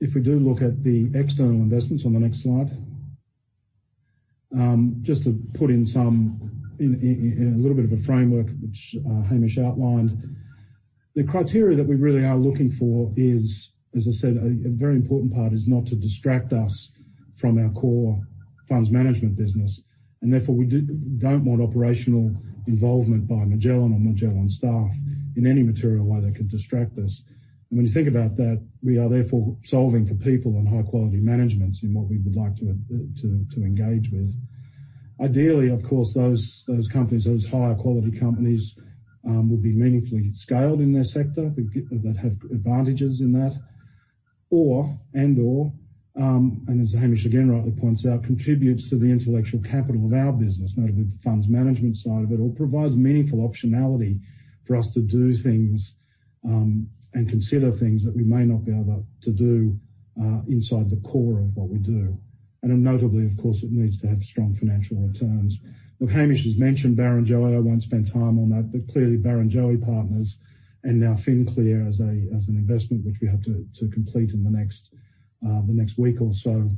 if we do look at the external investments on the next slide. Just to put in a little bit of a framework, which Hamish outlined, the criteria that we really are looking for is, as I said, a very important part is not to distract us from our core funds management business. Therefore, we don't want operational involvement by Magellan or Magellan staff in any material way that could distract us. When you think about that, we are therefore solving for people and high-quality managements in what we would like to engage with. Ideally, of course, those companies, those higher quality companies, would be meaningfully scaled in their sector, that have advantages in that, and/or, as Hamish again rightly points out, contributes to the intellectual capital of our business, notably the funds management side of it, or provides meaningful optionality for us to do things and consider things that we may not be able to do inside the core of what we do. Notably, of course, it needs to have strong financial returns. Look, Hamish has mentioned Barrenjoey. I won't spend time on that, but clearly Barrenjoey Partners and now FinClear as an investment, which we have to complete in the next week or so,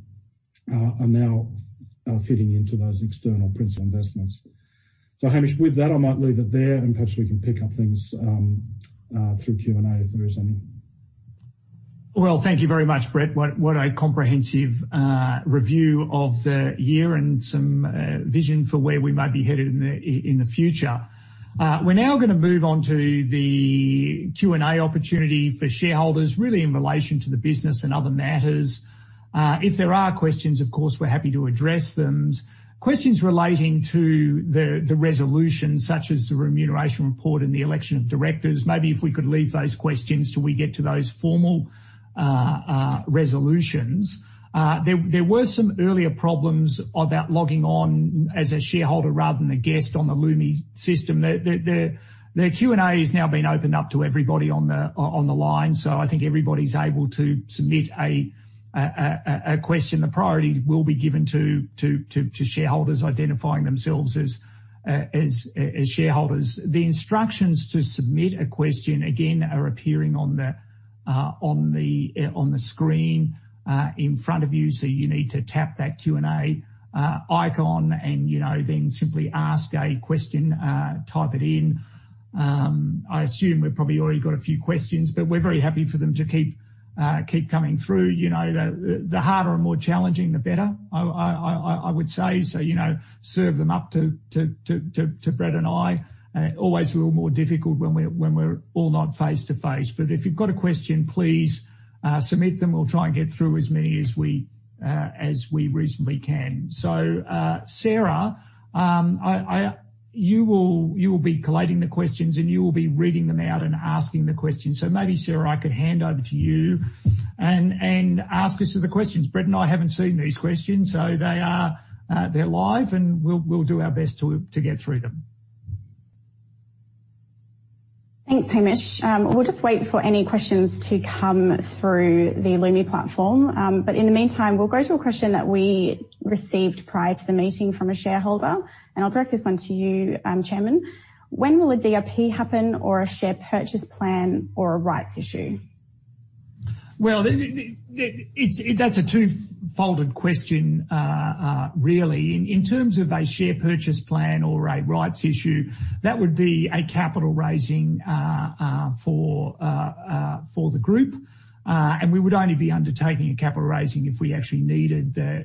are now fitting into those external principal investments. Hamish, with that, I might leave it there, and perhaps we can pick up things through Q&A if there is any. Well, thank you very much, Brett. What a comprehensive review of the year and some vision for where we might be headed in the future. We're now going to move on to the Q&A opportunity for shareholders, really in relation to the business and other matters. If there are questions, of course, we're happy to address them. Questions relating to the resolution, such as the remuneration report and the election of directors, maybe if we could leave those questions till we get to those formal resolutions. There were some earlier problems about logging on as a shareholder rather than a guest on the Lumi system. The Q&A has now been opened up to everybody on the line. I think everybody's able to submit a question. The priority will be given to shareholders identifying themselves as shareholders. The instructions to submit a question, again, are appearing on the screen in front of you. You need to tap that Q&A icon and then simply ask a question, type it in. I assume we've probably already got a few questions, but we're very happy for them to keep coming through. The harder and more challenging, the better, I would say. Serve them up to Brett and I. Always a little more difficult when we're all not face-to-face. If you've got a question, please submit them. We'll try and get through as many as we reasonably can. Sarah, you will be collating the questions, and you will be reading them out and asking the questions. Maybe, Sarah, I could hand over to you and ask us the questions. Brett and I haven't seen these questions, so they're live, and we'll do our best to get through them. Thanks, Hamish. We'll just wait for any questions to come through the Lumi platform. In the meantime, we'll go to a question that we received prior to the meeting from a shareholder, and I'll direct this one to you, Chairman. When will a DRP happen or a share purchase plan or a rights issue? Well, that's a two-folded question, really. In terms of a share purchase plan or a rights issue, that would be a capital raising for the group, and we would only be undertaking a capital raising if we actually needed the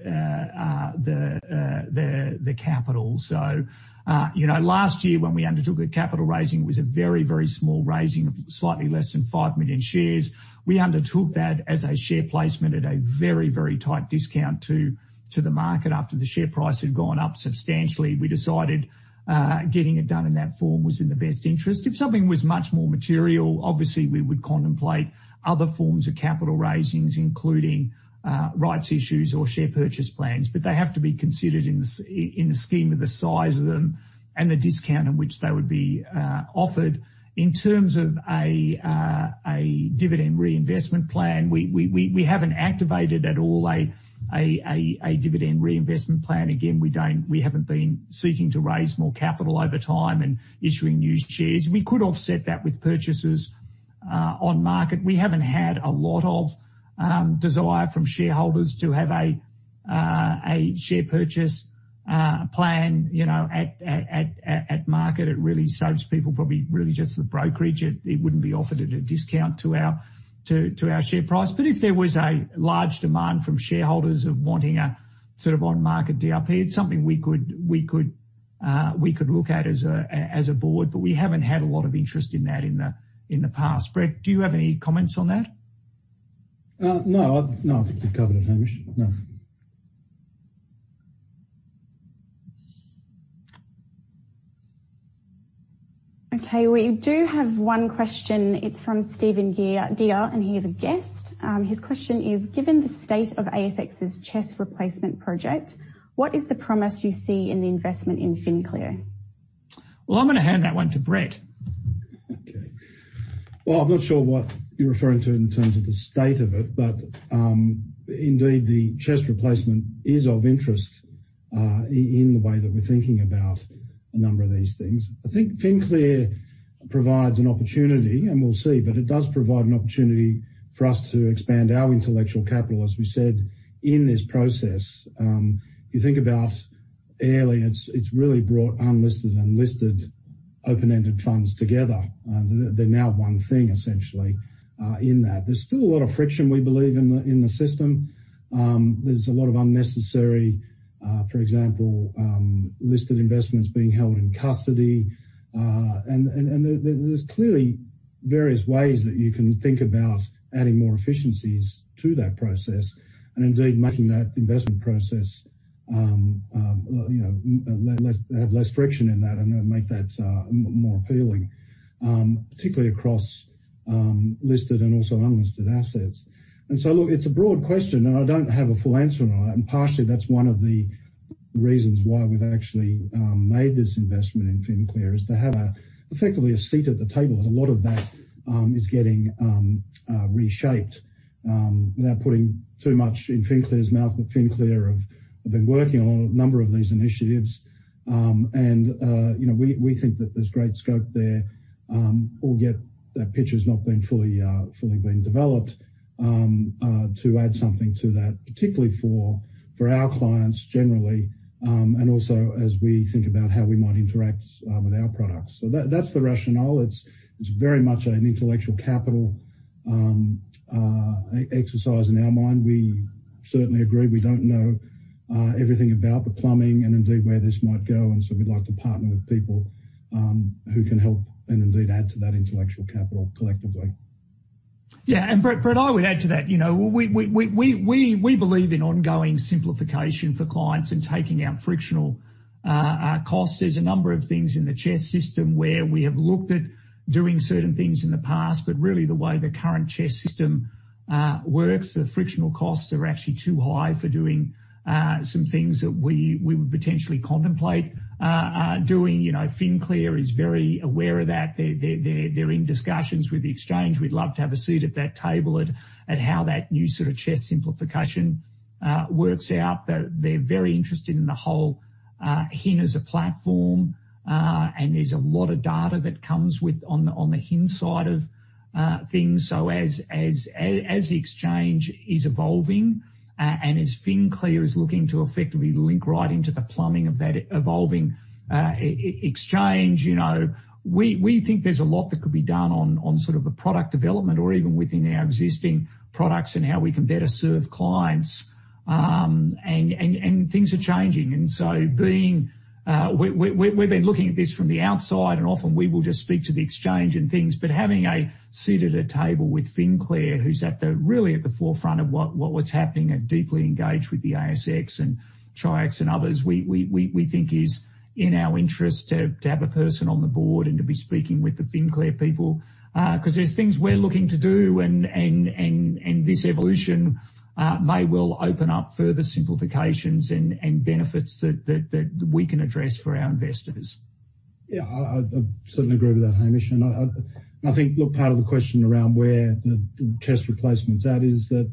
capital. Last year when we undertook a capital raising, it was a very, very small raising of slightly less than five million shares. We undertook that as a share placement at a very, very tight discount to the market. After the share price had gone up substantially, we decided getting it done in that form was in the best interest. If something was much more material, obviously we would contemplate other forms of capital raisings, including rights issues or share purchase plans. They have to be considered in the scheme of the size of them and the discount at which they would be offered. In terms of a dividend reinvestment plan, we haven't activated at all a dividend reinvestment plan. Again, we haven't been seeking to raise more capital over time and issuing new shares. We could offset that with purchases on market. We haven't had a lot of desire from shareholders to have a share purchase plan at market, it really serves people probably really just the brokerage. It wouldn't be offered at a discount to our share price. If there was a large demand from shareholders of wanting a sort of on-market DRP, it's something we could look at as a board, but we haven't had a lot of interest in that in the past. Brett, do you have any comments on that? No, I think you've covered it, Hamish. No. We do have one question. It's from Steven Dear, and he is a guest. His question is, "Given the state of ASX's CHESS replacement project, what is the promise you see in the investment in FinClear?" Well, I'm going to hand that one to Brett. Okay. Well, I'm not sure what you're referring to in terms of the state of it, indeed, the CHESS replacement is of interest in the way that we're thinking about a number of these things. I think FinClear provides an opportunity, and we'll see, but it does provide an opportunity for us to expand our intellectual capital, as we said in this process. You think about Airlie, it's really brought unlisted and listed open-ended funds together. They're now one thing, essentially, in that. There's still a lot of friction, we believe, in the system. There's a lot of unnecessary, for example, listed investments being held in custody. There's clearly various ways that you can think about adding more efficiencies to that process and indeed making that investment process have less friction in that and make that more appealing, particularly across listed and also unlisted assets. Look, it's a broad question, and I don't have a full answer on it. Partially that's one of the reasons why we've actually made this investment in FinClear is to have effectively a seat at the table, as a lot of that is getting reshaped. Without putting too much in FinClear's mouth, but FinClear have been working on a number of these initiatives. We think that there's great scope there, albeit that pitch has not fully been developed, to add something to that, particularly for our clients generally, and also as we think about how we might interact with our products. That's the rationale. It's very much an intellectual capital exercise in our mind. We certainly agree, we don't know everything about the plumbing and indeed where this might go, and so we'd like to partner with people who can help and indeed add to that intellectual capital collectively. Yeah. Brett, I would add to that. We believe in ongoing simplification for clients and taking out frictional costs. There's a number of things in the CHESS system where we have looked at doing certain things in the past, but really the way the current CHESS system works, the frictional costs are actually too high for doing some things that we would potentially contemplate doing. FinClear is very aware of that. They're in discussions with the exchange. We'd love to have a seat at that table at how that new sort of CHESS simplification works out. They're very interested in the whole HIN as a platform, and there's a lot of data that comes on the HIN side of things. As the exchange is evolving and as FinClear is looking to effectively link right into the plumbing of that evolving exchange, we think there's a lot that could be done on sort of a product development or even within our existing products and how we can better serve clients. Things are changing, and so we've been looking at this from the outside, and often we will just speak to the exchange and things. Having a seat at a table with FinClear, who's really at the forefront of what's happening and deeply engaged with the ASX and Chi-X and others, we think is in our interest to have a person on the board and to be speaking with the FinClear people. There's things we're looking to do, and this evolution may well open up further simplifications and benefits that we can address for our investors. Yeah, I certainly agree with that, Hamish. I think, look, part of the question around where the CHESS replacement's at is that,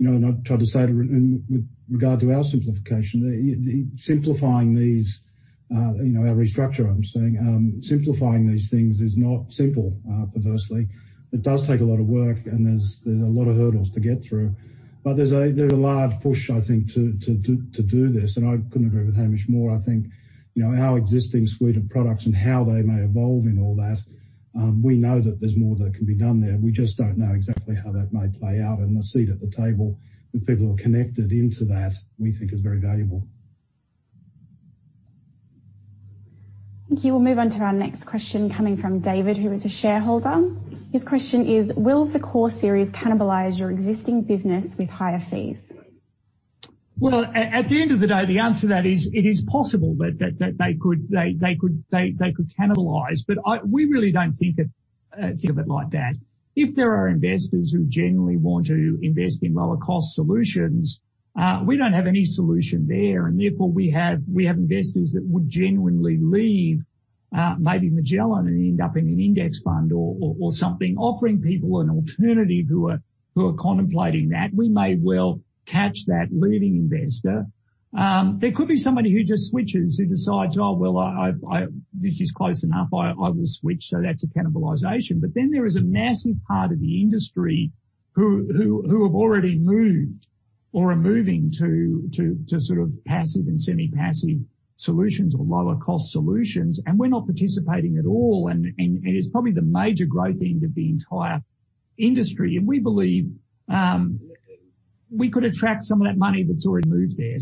and I tried to say with regard to our simplification, I'm saying, simplifying these things is not simple, perversely. It does take a lot of work, and there's a lot of hurdles to get through. There's a large push, I think, to do this, and I couldn't agree with Hamish more. I think our existing suite of products and how they may evolve in all that, we know that there's more that can be done there. We just don't know exactly how that may play out, a seat at the table with people who are connected into that, we think is very valuable. Thank you. We'll move on to our next question coming from David, who is a shareholder. His question is, "Will the Core Series cannibalize your existing business with higher fees?" At the end of the day, the answer to that is it is possible that they could cannibalize. We really don't think of it like that. If there are investors who genuinely want to invest in lower cost solutions, we don't have any solution there, and therefore we have investors that would genuinely leave maybe Magellan and end up in an index fund or something. Offering people an alternative who are contemplating that, we may well catch that leaving investor. There could be somebody who just switches, who decides, "Oh, well, this is close enough. I will switch." That's a cannibalization. There is a massive part of the industry who have already moved or are moving to passive and semi-passive solutions or lower-cost solutions, and we're not participating at all. It is probably the major growth end of the entire industry. We believe we could attract some of that money that's already moved there.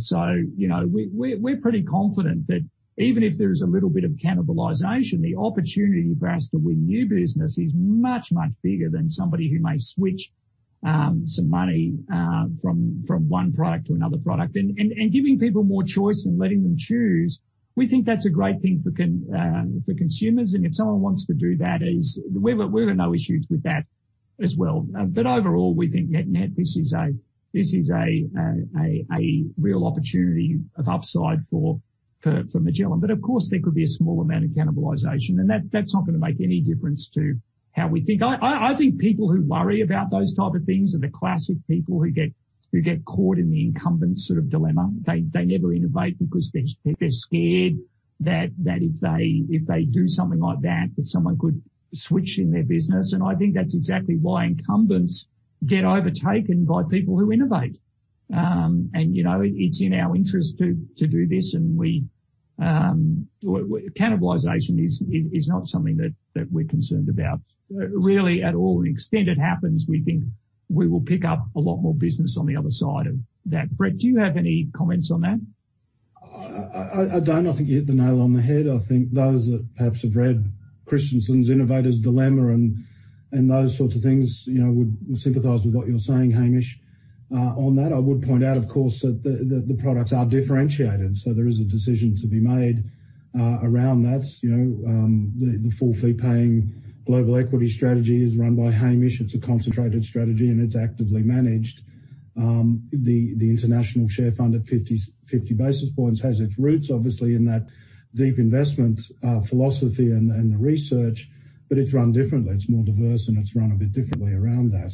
We're pretty confident that even if there's a little bit of cannibalization, the opportunity for us to win new business is much, much bigger than somebody who may switch some money from one product to another product. Giving people more choice and letting them choose, we think that's a great thing for consumers, and if someone wants to do that, we have no issues with that as well. Overall, we think net, this is a real opportunity of upside for Magellan. Of course, there could be a small amount of cannibalization, and that's not going to make any difference to how we think. I think people who worry about those type of things are the classic people who get caught in the incumbent dilemma. They never innovate because they're scared that if they do something like that someone could switch in their business. I think that's exactly why incumbents get overtaken by people who innovate. It's in our interest to do this, and cannibalization is not something that we're concerned about really at all, to the extent it happens, we think we will pick up a lot more business on the other side of that. Brett, do you have any comments on that? I don't. I think you hit the nail on the head. I think those that perhaps have read Christensen's The Innovator's Dilemma and those sorts of things would sympathize with what you're saying, Hamish. On that, I would point out, of course, that the products are differentiated, so there is a decision to be made around that. The full fee-paying global equity strategy is run by Hamish. It's a concentrated strategy, and it's actively managed. The international share fund at 50 basis points has its roots, obviously, in that deep investment philosophy and the research, but it's run differently. It's more diverse, and it's run a bit differently around that.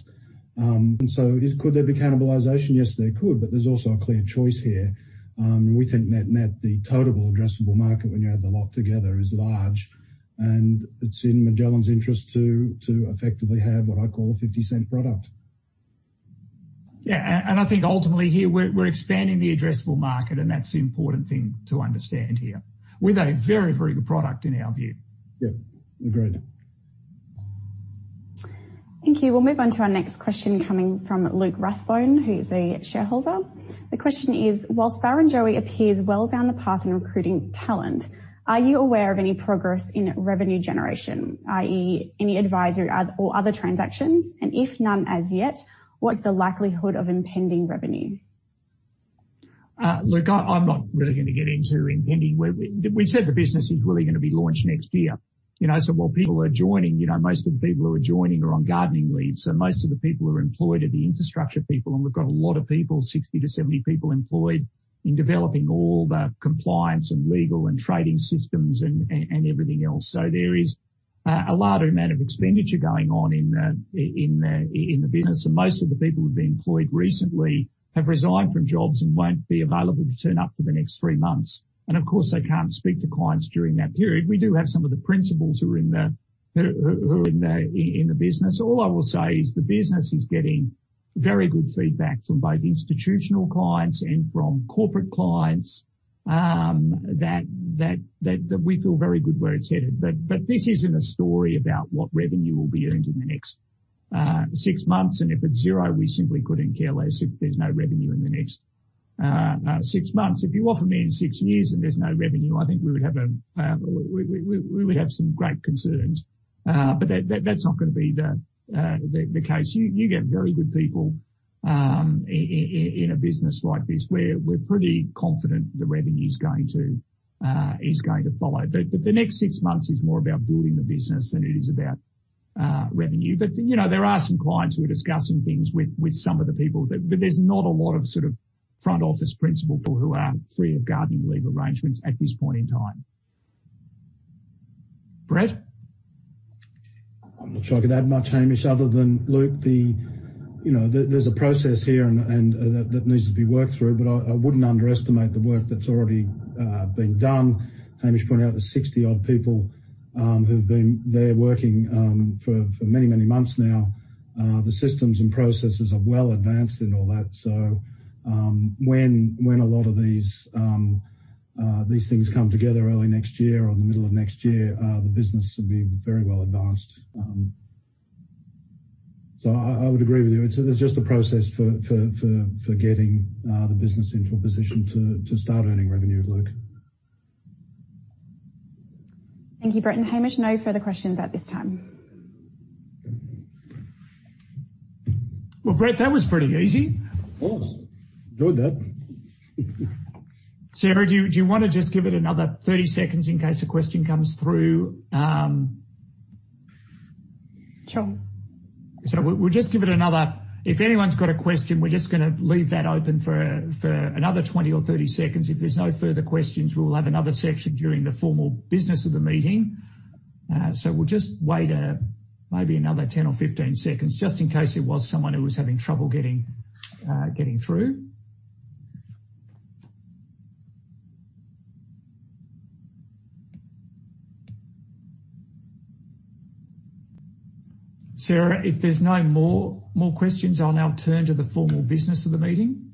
Could there be cannibalization? Yes, there could, but there's also a clear choice here. We think net, the total addressable market when you add the lot together is large, and it's in Magellan's interest to effectively have what I call an 0.50 product. Yeah. I think ultimately here, we're expanding the addressable market, and that's the important thing to understand here, with a very, very good product in our view. Yeah. Agreed. Thank you. We'll move on to our next question coming from Luke Rathbone, who's a shareholder. The question is: whilst Barrenjoey appears well down the path in recruiting talent, are you aware of any progress in revenue generation, i.e., any advisory or other transactions? If none as yet, what's the likelihood of impending revenue? Luke, I'm not really going to get into. We said the business is really going to be launched next year. While people are joining, most of the people who are joining are on gardening leave. Most of the people who are employed are the infrastructure people, and we've got a lot of people, 60-70 people employed in developing all the compliance and legal and trading systems and everything else. There is a large amount of expenditure going on in the business, and most of the people who've been employed recently have resigned from jobs and won't be available to turn up for the next three months. Of course, they can't speak to clients during that period. We do have some of the principals who are in the business. All I will say is the business is getting very good feedback from both institutional clients and from corporate clients, that we feel very good where it's headed. This isn't a story about what revenue will be earned in the next six months, and if it's zero, we simply couldn't care less if there's no revenue in the next six months. If you offer me in six years and there's no revenue, I think we would have some great concerns. That's not going to be the case. You get very good people in a business like this, we're pretty confident the revenue is going to follow. The next six months is more about building the business than it is about revenue. There are some clients we're discussing things with some of the people, but there's not a lot of front office principal people who are free of gardening leave arrangements at this point in time. Brett? I'm not sure I could add much, Hamish, other than Luke, there's a process here that needs to be worked through. I wouldn't underestimate the work that's already been done. Hamish pointed out the 60-odd people who've been there working for many, many months now. The systems and processes are well advanced and all that. When a lot of these things come together early next year or in the middle of next year, the business will be very well advanced. I would agree with you. There's just a process for getting the business into a position to start earning revenue, Luke. Thank you, Brett and Hamish. No further questions at this time. Well, Brett, that was pretty easy. It was. Enjoyed that. Sarah, do you want to just give it another 30 seconds in case a question comes through? Sure. If anyone's got a question, we're just going to leave that open for another 20 or 30 seconds. If there's no further questions, we'll have another section during the formal business of the meeting. We'll just wait Maybe another 10 or 15 seconds just in case it was someone who was having trouble getting through. Sarah, if there's no more questions, I'll now turn to the formal business of the meeting.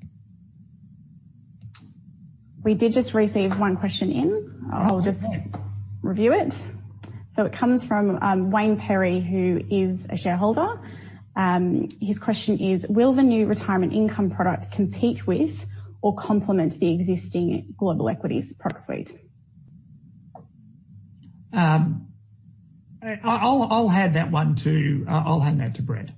We did just receive one question in. Oh, good. I'll just review it. It comes from Wayne Perry, who is a shareholder. His question is, "Will the new retirement income product compete with or complement the existing global equities product suite?" I'll hand that one to Brett.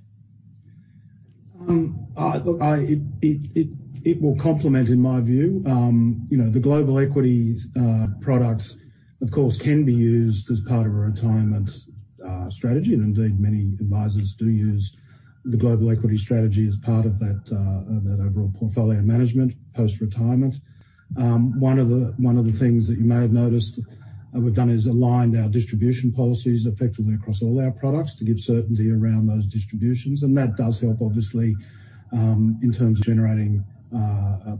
It will complement, in my view. The global equities product, of course, can be used as part of a retirement strategy, and indeed, many advisors do use the global equity strategy as part of that overall portfolio management post-retirement. One of the things that you may have noticed we've done is aligned our distribution policies effectively across all our products to give certainty around those distributions, and that does help, obviously, in terms of generating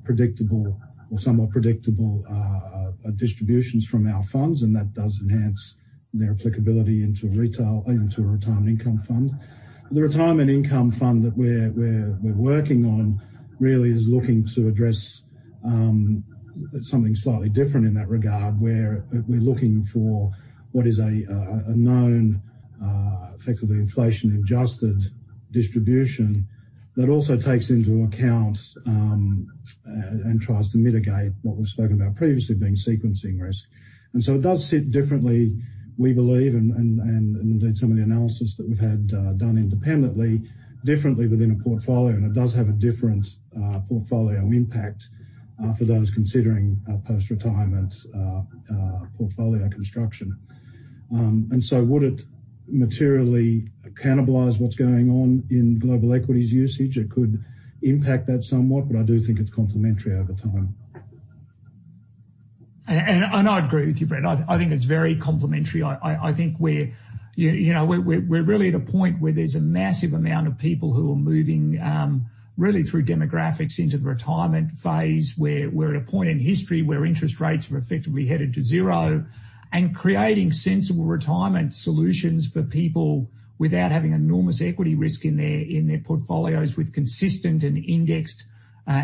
predictable or somewhat predictable distributions from our funds, and that does enhance their applicability even to a retirement income fund. The retirement income fund that we're working on really is looking to address something slightly different in that regard, where we're looking for what is a known effectively inflation adjusted distribution that also takes into account, and tries to mitigate what we've spoken about previously, being sequencing risk. It does sit differently, we believe, and indeed some of the analysis that we've had done independently, differently within a portfolio, and it does have a different portfolio impact for those considering post-retirement portfolio construction. Would it materially cannibalize what's going on in global equities usage? It could impact that somewhat, but I do think it's complementary over time. I'd agree with you, Brett. I think it's very complementary. I think we're really at a point where there's a massive amount of people who are moving, really through demographics, into the retirement phase. We're at a point in history where interest rates are effectively headed to zero, and creating sensible retirement solutions for people without having enormous equity risk in their portfolios with consistent and indexed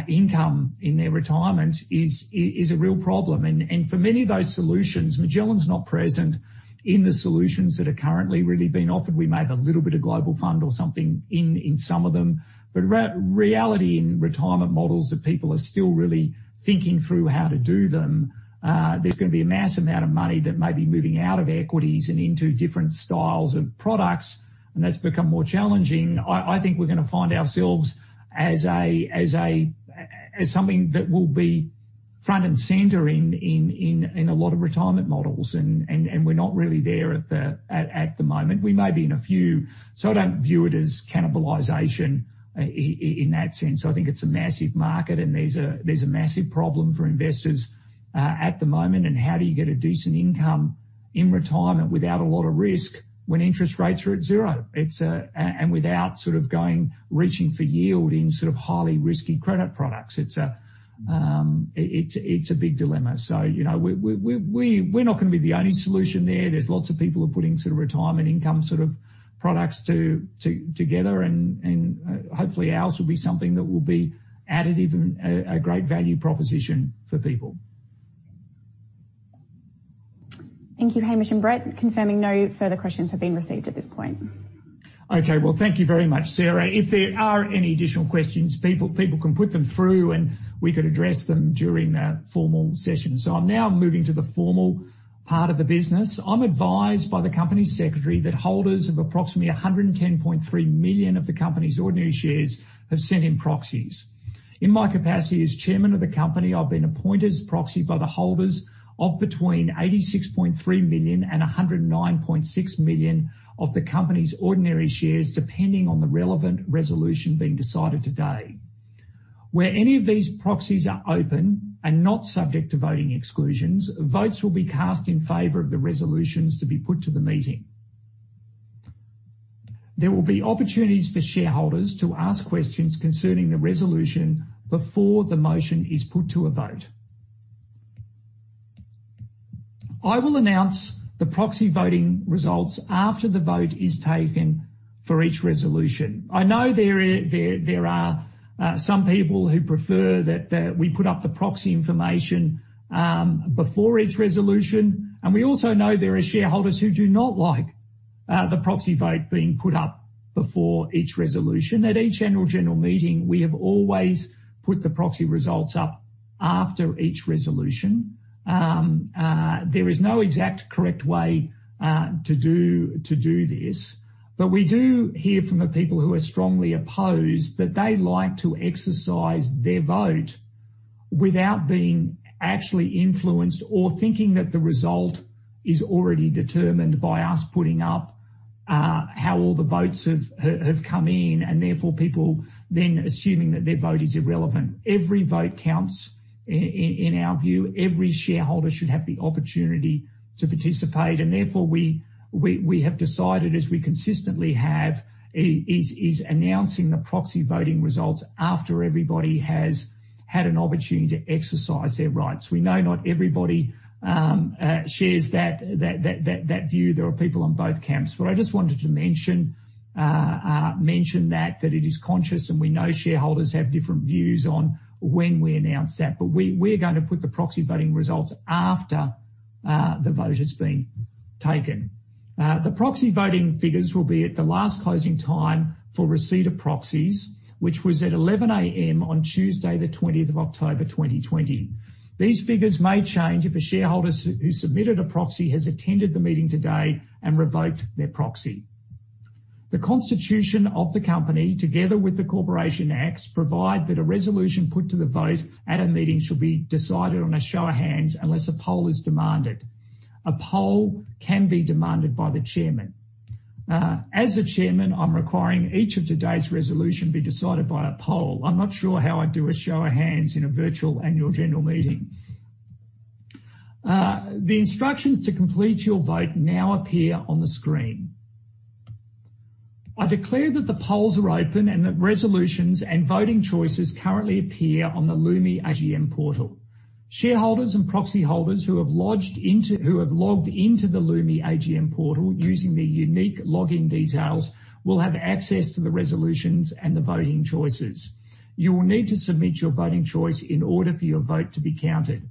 income in their retirement is a real problem. For many of those solutions, Magellan's not present in the solutions that are currently really being offered. We may have a little bit of global fund or something in some of them. Reality in retirement models that people are still really thinking through how to do them, there's going to be a massive amount of money that may be moving out of equities and into different styles of products, and that's become more challenging. I think we're going to find ourselves as something that will be front and center in a lot of retirement models, and we're not really there at the moment. We may be in a few. I don't view it as cannibalization in that sense. I think it's a massive market, and there's a massive problem for investors at the moment, and how do you get a decent income in retirement without a lot of risk when interest rates are at zero? Without sort of reaching for yield in sort of highly risky credit products. It's a big dilemma. We're not going to be the only solution there. There's lots of people are putting sort of retirement income sort of products together, and hopefully ours will be something that will be additive and a great value proposition for people. Thank you, Hamish and Brett. Confirming no further questions have been received at this point. Okay. Well, thank you very much, Sarah. If there are any additional questions, people can put them through, and we could address them during the formal session. I'm now moving to the formal part of the business. I'm advised by the Company Secretary that holders of approximately 110.3 million of the company's ordinary shares have sent in proxies. In my capacity as Chairman of the company, I've been appointed as proxy by the holders of between 86.3 million and 109.6 million of the company's ordinary shares, depending on the relevant resolution being decided today. Where any of these proxies are open and not subject to voting exclusions, votes will be cast in favor of the resolutions to be put to the meeting. There will be opportunities for shareholders to ask questions concerning the resolution before the motion is put to a vote. I will announce the proxy voting results after the vote is taken for each resolution. I know there are some people who prefer that we put up the proxy information before each resolution, and we also know there are shareholders who do not like the proxy vote being put up before each resolution. At each annual general meeting, we have always put the proxy results up after each resolution. There is no exact correct way to do this, but we do hear from the people who are strongly opposed that they like to exercise their vote without being actually influenced or thinking that the result is already determined by us putting up how all the votes have come in, and therefore people then assuming that their vote is irrelevant. Every vote counts, in our view. Every shareholder should have the opportunity to participate, and therefore we have decided, as we consistently have, is announcing the proxy voting results after everybody has had an opportunity to exercise their rights. We know not everybody shares that view. There are people on both camps. I just wanted to mention that it is conscious, and we know shareholders have different views on when we announce that, but we're going to put the proxy voting results after the vote has been taken. The proxy voting figures will be at the last closing time for receipt of proxies, which was at 11:00 A.M. on Tuesday, the 20th of October, 2020. These figures may change if a shareholder who submitted a proxy has attended the meeting today and revoked their proxy. The constitution of the company, together with the Corporations Act, provide that a resolution put to the vote at a meeting shall be decided on a show of hands unless a poll is demanded. A poll can be demanded by the chairman. As the chairman, I'm requiring each of today's resolution be decided by a poll. I'm not sure how I'd do a show of hands in a virtual annual general meeting. The instructions to complete your vote now appear on the screen. I declare that the polls are open and that resolutions and voting choices currently appear on the Lumi AGM portal. Shareholders and proxy holders who have logged into the Lumi AGM portal using their unique login details will have access to the resolutions and the voting choices. You will need to submit your voting choice in order for your vote to be counted.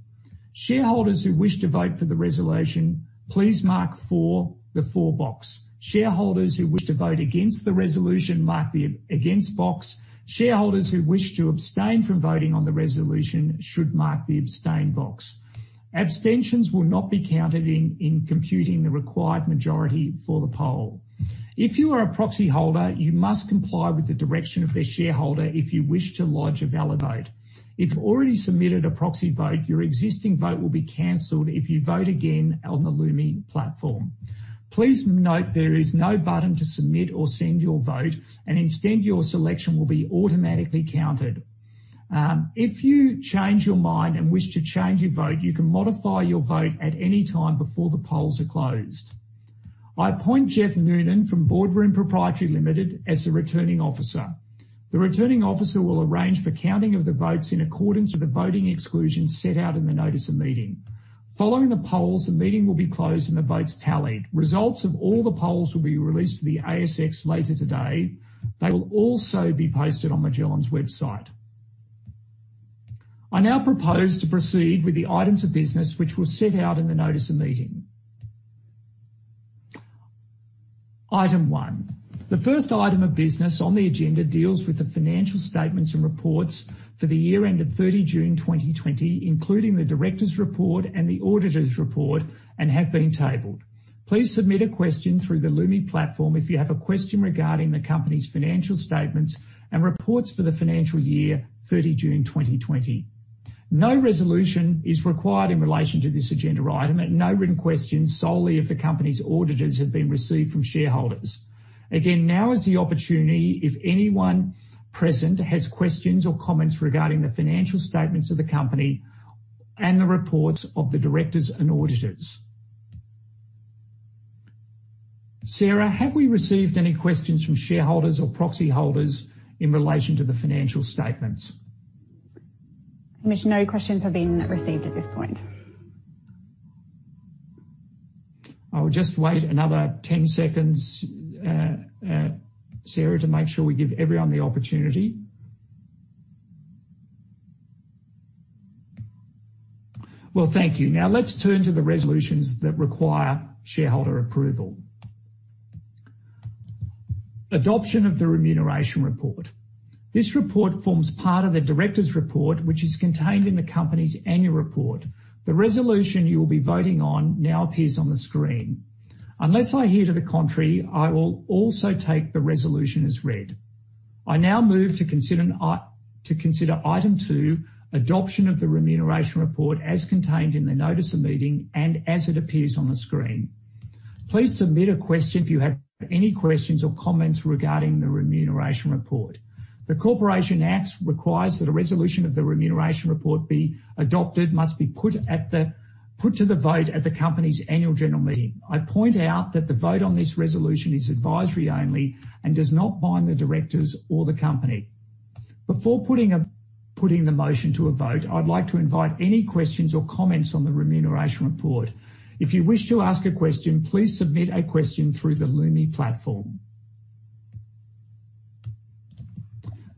Shareholders who wish to vote for the resolution, please mark for the for box. Shareholders who wish to vote against the resolution, mark the against box. Shareholders who wish to abstain from voting on the resolution should mark the abstain box. Abstentions will not be counted in computing the required majority for the poll. If you are a proxy holder, you must comply with the direction of the shareholder if you wish to lodge a valid vote. If you have already submitted a proxy vote, your existing vote will be canceled if you vote again on the Lumi platform. Please note there is no button to submit or send your vote, and instead, your selection will be automatically counted. If you change your mind and wish to change your vote, you can modify your vote at any time before the polls are closed. I appoint Geoff Noonan from Boardroom Pty Limited as the Returning Officer. The Returning Officer will arrange for counting of the votes in accordance with the voting exclusions set out in the notice of meeting. Following the polls, the meeting will be closed, and the votes tallied. Results of all the polls will be released to the ASX later today. They will also be posted on Magellan's website. I now propose to proceed with the items of business which were set out in the notice of meeting. Item one. The first item of business on the agenda deals with the financial statements and reports for the year end of 30 June 2020, including the directors' report and the auditors' report, and have been tabled. Please submit a question through the Lumi platform if you have a question regarding the company's financial statements and reports for the financial year 30 June 2020. No resolution is required in relation to this agenda item, and no written questions solely of the company's auditors have been received from shareholders. Again, now is the opportunity if anyone present has questions or comments regarding the financial statements of the company and the reports of the directors and auditors. Sarah, have we received any questions from shareholders or proxy holders in relation to the financial statements? Hamish, no questions have been received at this point. I will just wait another 10 seconds, Sarah, to make sure we give everyone the opportunity. Well, thank you. Let's turn to the resolutions that require shareholder approval. Adoption of the Remuneration report. This report forms part of the directors' report, which is contained in the company's annual report. The resolution you will be voting on now appears on the screen. Unless I hear to the contrary, I will also take the resolution as read. I move to consider item 2, adoption of the Remuneration report as contained in the notice of meeting and as it appears on the screen. Please submit a question if you have any questions or comments regarding the Remuneration report. The Corporations Act requires that a resolution of the Remuneration report be adopted must be put to the vote at the company's annual general meeting. I point out that the vote on this resolution is advisory only and does not bind the directors or the company. Before putting the motion to a vote, I'd like to invite any questions or comments on the remuneration report. If you wish to ask a question, please submit a question through the Lumi platform.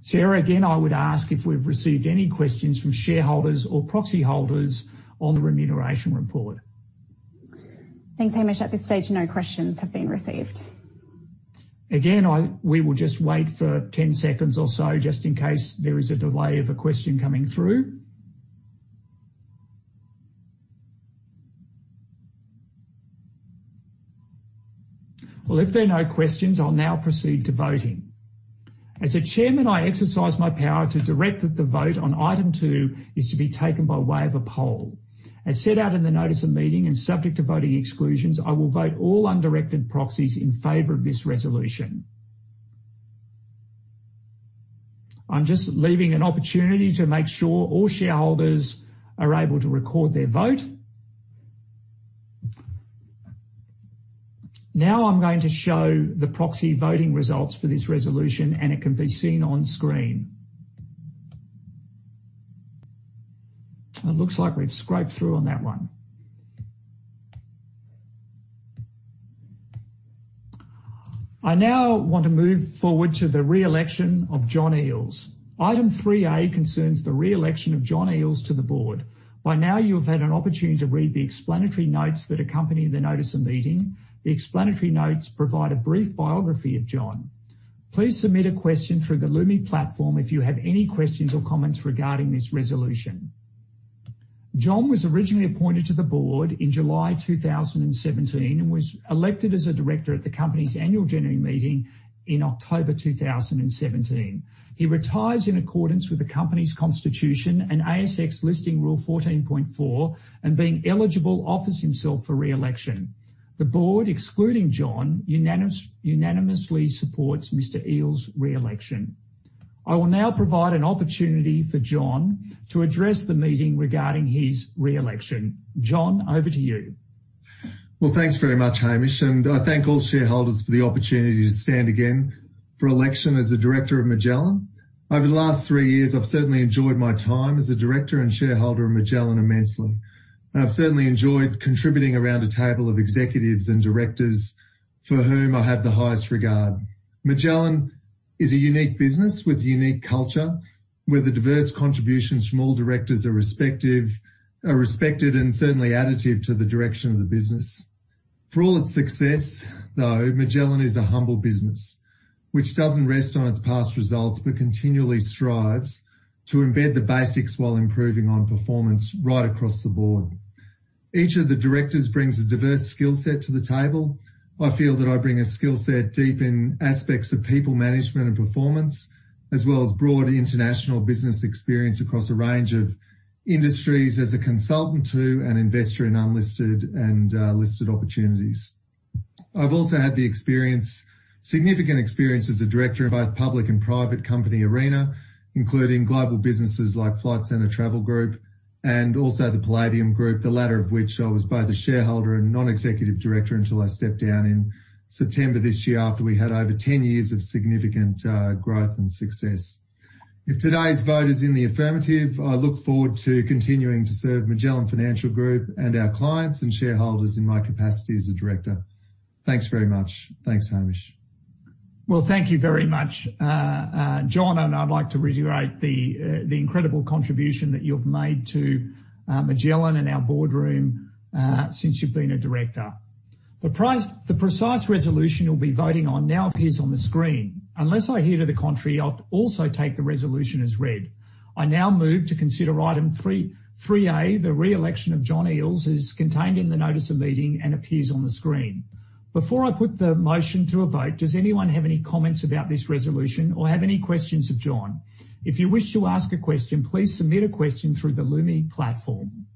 Sarah, again, I would ask if we've received any questions from shareholders or proxy holders on the remuneration report. Thanks, Hamish. At this stage, no questions have been received. Again, we will just wait for 10 seconds or so just in case there is a delay of a question coming through. If there are no questions, I'll now proceed to voting. As the Chairman, I exercise my power to direct that the vote on item 2 is to be taken by way of a poll. As set out in the notice of meeting and subject to voting exclusions, I will vote all undirected proxies in favor of this resolution. I'm just leaving an opportunity to make sure all shareholders are able to record their vote. I'm going to show the proxy voting results for this resolution, and it can be seen on screen. It looks like we've scraped through on that one. I now want to move forward to the re-election of John Eales. Item 3A concerns the re-election of John Eales to the board. By now, you have had an opportunity to read the explanatory notes that accompany the notice of meeting. The explanatory notes provide a brief biography of John. Please submit a question through the Lumi platform if you have any questions or comments regarding this resolution. John was originally appointed to the Board in July 2017 and was elected as a Director at the company's Annual General Meeting in October 2017. He retires in accordance with the company's constitution and ASX Listing Rule 14.4 and being eligible, offers himself for re-election. The Board, excluding John, unanimously supports Mr. Eales' re-election. I will now provide an opportunity for John to address the meeting regarding his re-election. John, over to you. Well, thanks very much, Hamish, and I thank all shareholders for the opportunity to stand again for election as a director of Magellan. Over the last three years, I've certainly enjoyed my time as a director and shareholder of Magellan immensely. I've certainly enjoyed contributing around a table of executives and directors for whom I have the highest regard. Magellan is a unique business with unique culture, where the diverse contributions from all directors are respected and certainly additive to the direction of the business. For all its success, though, Magellan is a humble business which doesn't rest on its past results, but continually strives to embed the basics while improving on performance right across the board. Each of the directors brings a diverse skill set to the table. I feel that I bring a skill set deep in aspects of people management and performance, as well as broad international business experience across a range of industries as a consultant to and investor in unlisted and listed opportunities. I've also had significant experience as a director in both public and private company arena, including global businesses like Flight Centre Travel Group and also the Palladium Group, the latter of which I was both a shareholder and non-executive director until I stepped down in September this year after we had over 10 years of significant growth and success. If today's vote is in the affirmative, I look forward to continuing to serve Magellan Financial Group and our clients and shareholders in my capacity as a director. Thanks very much. Thanks, Hamish. Thank you very much, John, and I'd like to reiterate the incredible contribution that you've made to Magellan and our boardroom since you've been a director. The precise resolution you'll be voting on now appears on the screen. Unless I hear to the contrary, I'll also take the resolution as read. I now move to consider Item 3A, the re-election of John Eales, as contained in the notice of meeting and appears on the screen. Does anyone have any comments about this resolution or have any questions of John? If you wish to ask a question, please submit a question through the Lumi platform.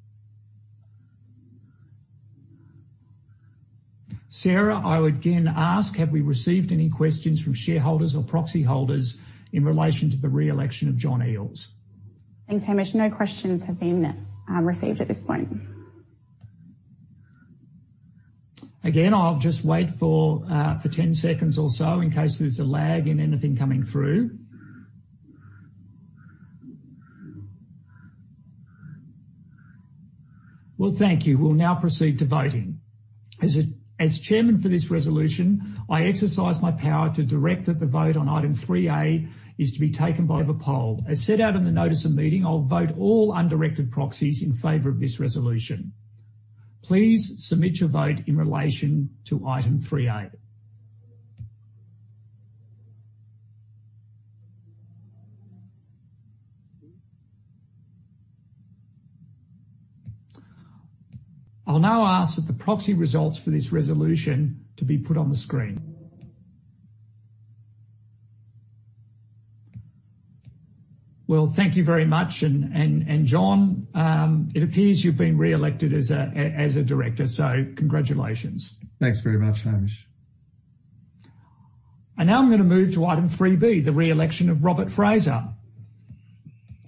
Sarah, I would again ask, have we received any questions from shareholders or proxy holders in relation to the re-election of John Eales? Thanks, Hamish. No questions have been received at this point. Again, I'll just wait for 10 seconds or so in case there's a lag in anything coming through. Well, thank you. We'll now proceed to voting. As chairman for this resolution, I exercise my power to direct that the vote on Item 3A is to be taken by the poll. As set out in the notice of meeting, I'll vote all undirected proxies in favor of this resolution. Please submit your vote in relation to Item 3A. I'll now ask that the proxy results for this resolution to be put on the screen. Well, thank you very much. John, it appears you've been re-elected as a director, so congratulations. Thanks very much, Hamish. Now I'm going to move to Item 3B, the re-election of Robert Fraser.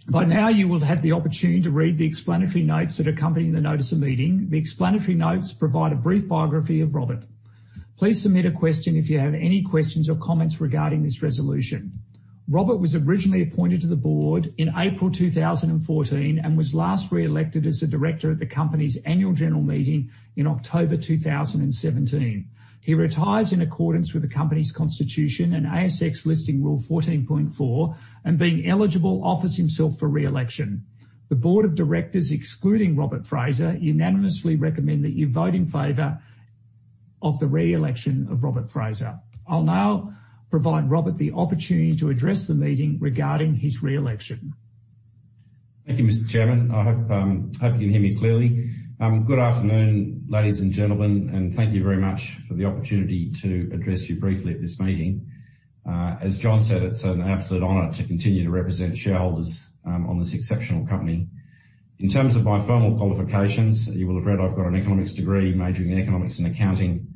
By now, you will have had the opportunity to read the explanatory notes that accompany the notice of meeting. The explanatory notes provide a brief biography of Robert. Please submit a question if you have any questions or comments regarding this resolution. Robert was originally appointed to the board in April 2014 and was last re-elected as a director at the company's annual general meeting in October 2017. He retires in accordance with the company's constitution and ASX Listing Rule 14.4 and being eligible, offers himself for re-election. The board of directors, excluding Robert Fraser, unanimously recommend that you vote in favor of the re-election of Robert Fraser. I'll now provide Robert the opportunity to address the meeting regarding his re-election. Thank you, Mr. Chairman. I hope you can hear me clearly. Good afternoon, ladies and gentlemen, thank you very much for the opportunity to address you briefly at this meeting. As John said, it's an absolute honor to continue to represent shareholders on this exceptional company. In terms of my formal qualifications, you will have read I've got an economics degree, majoring in economics and accounting,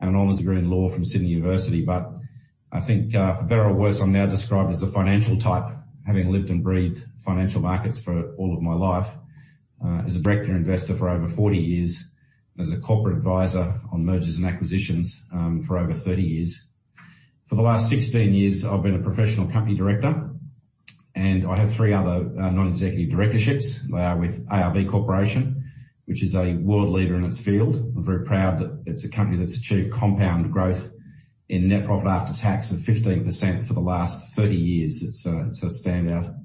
an honors degree in law from The University of Sydney. I think, for better or worse, I'm now described as the financial type, having lived and breathed financial markets for all of my life, as a broker investor for over 40 years, as a corporate advisor on mergers and acquisitions for over 30 years. For the last 16 years, I've been a professional company director, I have three other non-executive directorships with ARB Corporation, which is a world leader in its field. I'm very proud that it's a company that's achieved compound growth in net profit after tax of 15% for the last 30 years. It's a standout.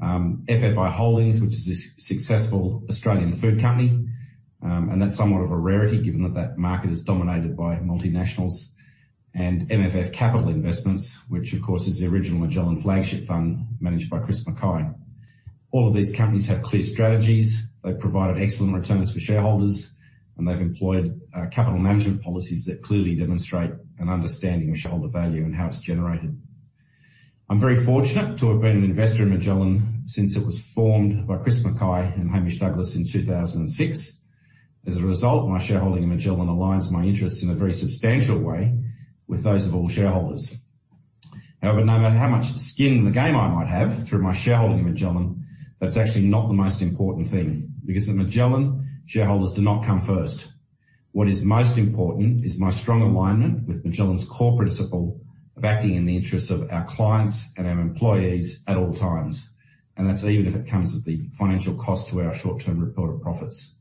FFI Holdings, which is a successful Australian food company, and that's somewhat of a rarity given that that market is dominated by multinationals. MFF Capital Investments, which, of course, is the original Magellan Flagship Fund managed by Chris Mackay. All of these companies have clear strategies. They've provided excellent returns for shareholders, and they've employed capital management policies that clearly demonstrate an understanding of shareholder value and how it's generated. I'm very fortunate to have been an investor in Magellan since it was formed by Chris Mackay and Hamish Douglass in 2006. As a result, my shareholding in Magellan aligns my interests in a very substantial way with those of all shareholders. However, no matter how much skin in the game I might have through my shareholding in Magellan, that's actually not the most important thing, because the Magellan shareholders do not come first. What is most important is my strong alignment with Magellan's core principle of acting in the interests of our clients and our employees at all times, and that's even if it comes at the financial cost to our short-term reported profits.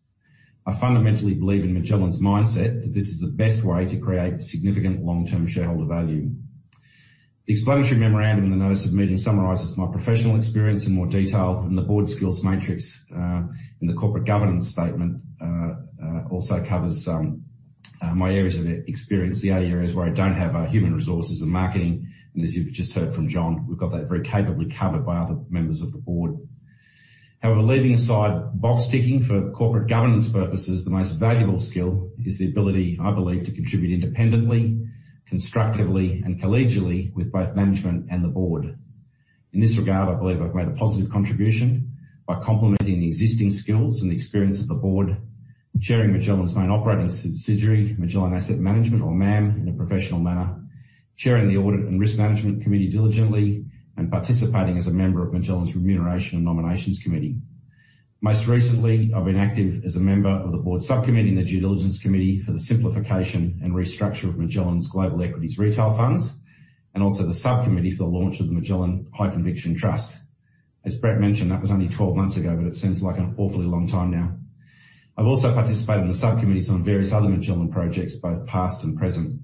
I fundamentally believe in Magellan's mindset that this is the best way to create significant long-term shareholder value. The explanatory memorandum in the notice of meeting summarizes my professional experience in more detail, and the board skills matrix in the corporate governance statement also covers my areas of experience. The only areas where I don't have are human resources and marketing. As you've just heard from John, we've got that very capably covered by other members of the board. However, leaving aside box ticking for corporate governance purposes, the most valuable skill is the ability, I believe, to contribute independently, constructively, and collegially with both management and the board. In this regard, I believe I've made a positive contribution by complementing the existing skills and experience of the board, chairing Magellan's main operating subsidiary, Magellan Asset Management or MAM, in a professional manner, chairing the Audit and Risk Management Committee diligently, and participating as a member of Magellan's Remuneration and Nominations Committee. Most recently, I've been active as a member of the board subcommittee and the due diligence committee for the simplification and restructure of Magellan's global equities retail funds, and also the subcommittee for the launch of the Magellan High Conviction Trust. As Brett mentioned, that was only 12 months ago, but it seems like an awfully long time now. I've also participated in the subcommittees on various other Magellan projects, both past and present.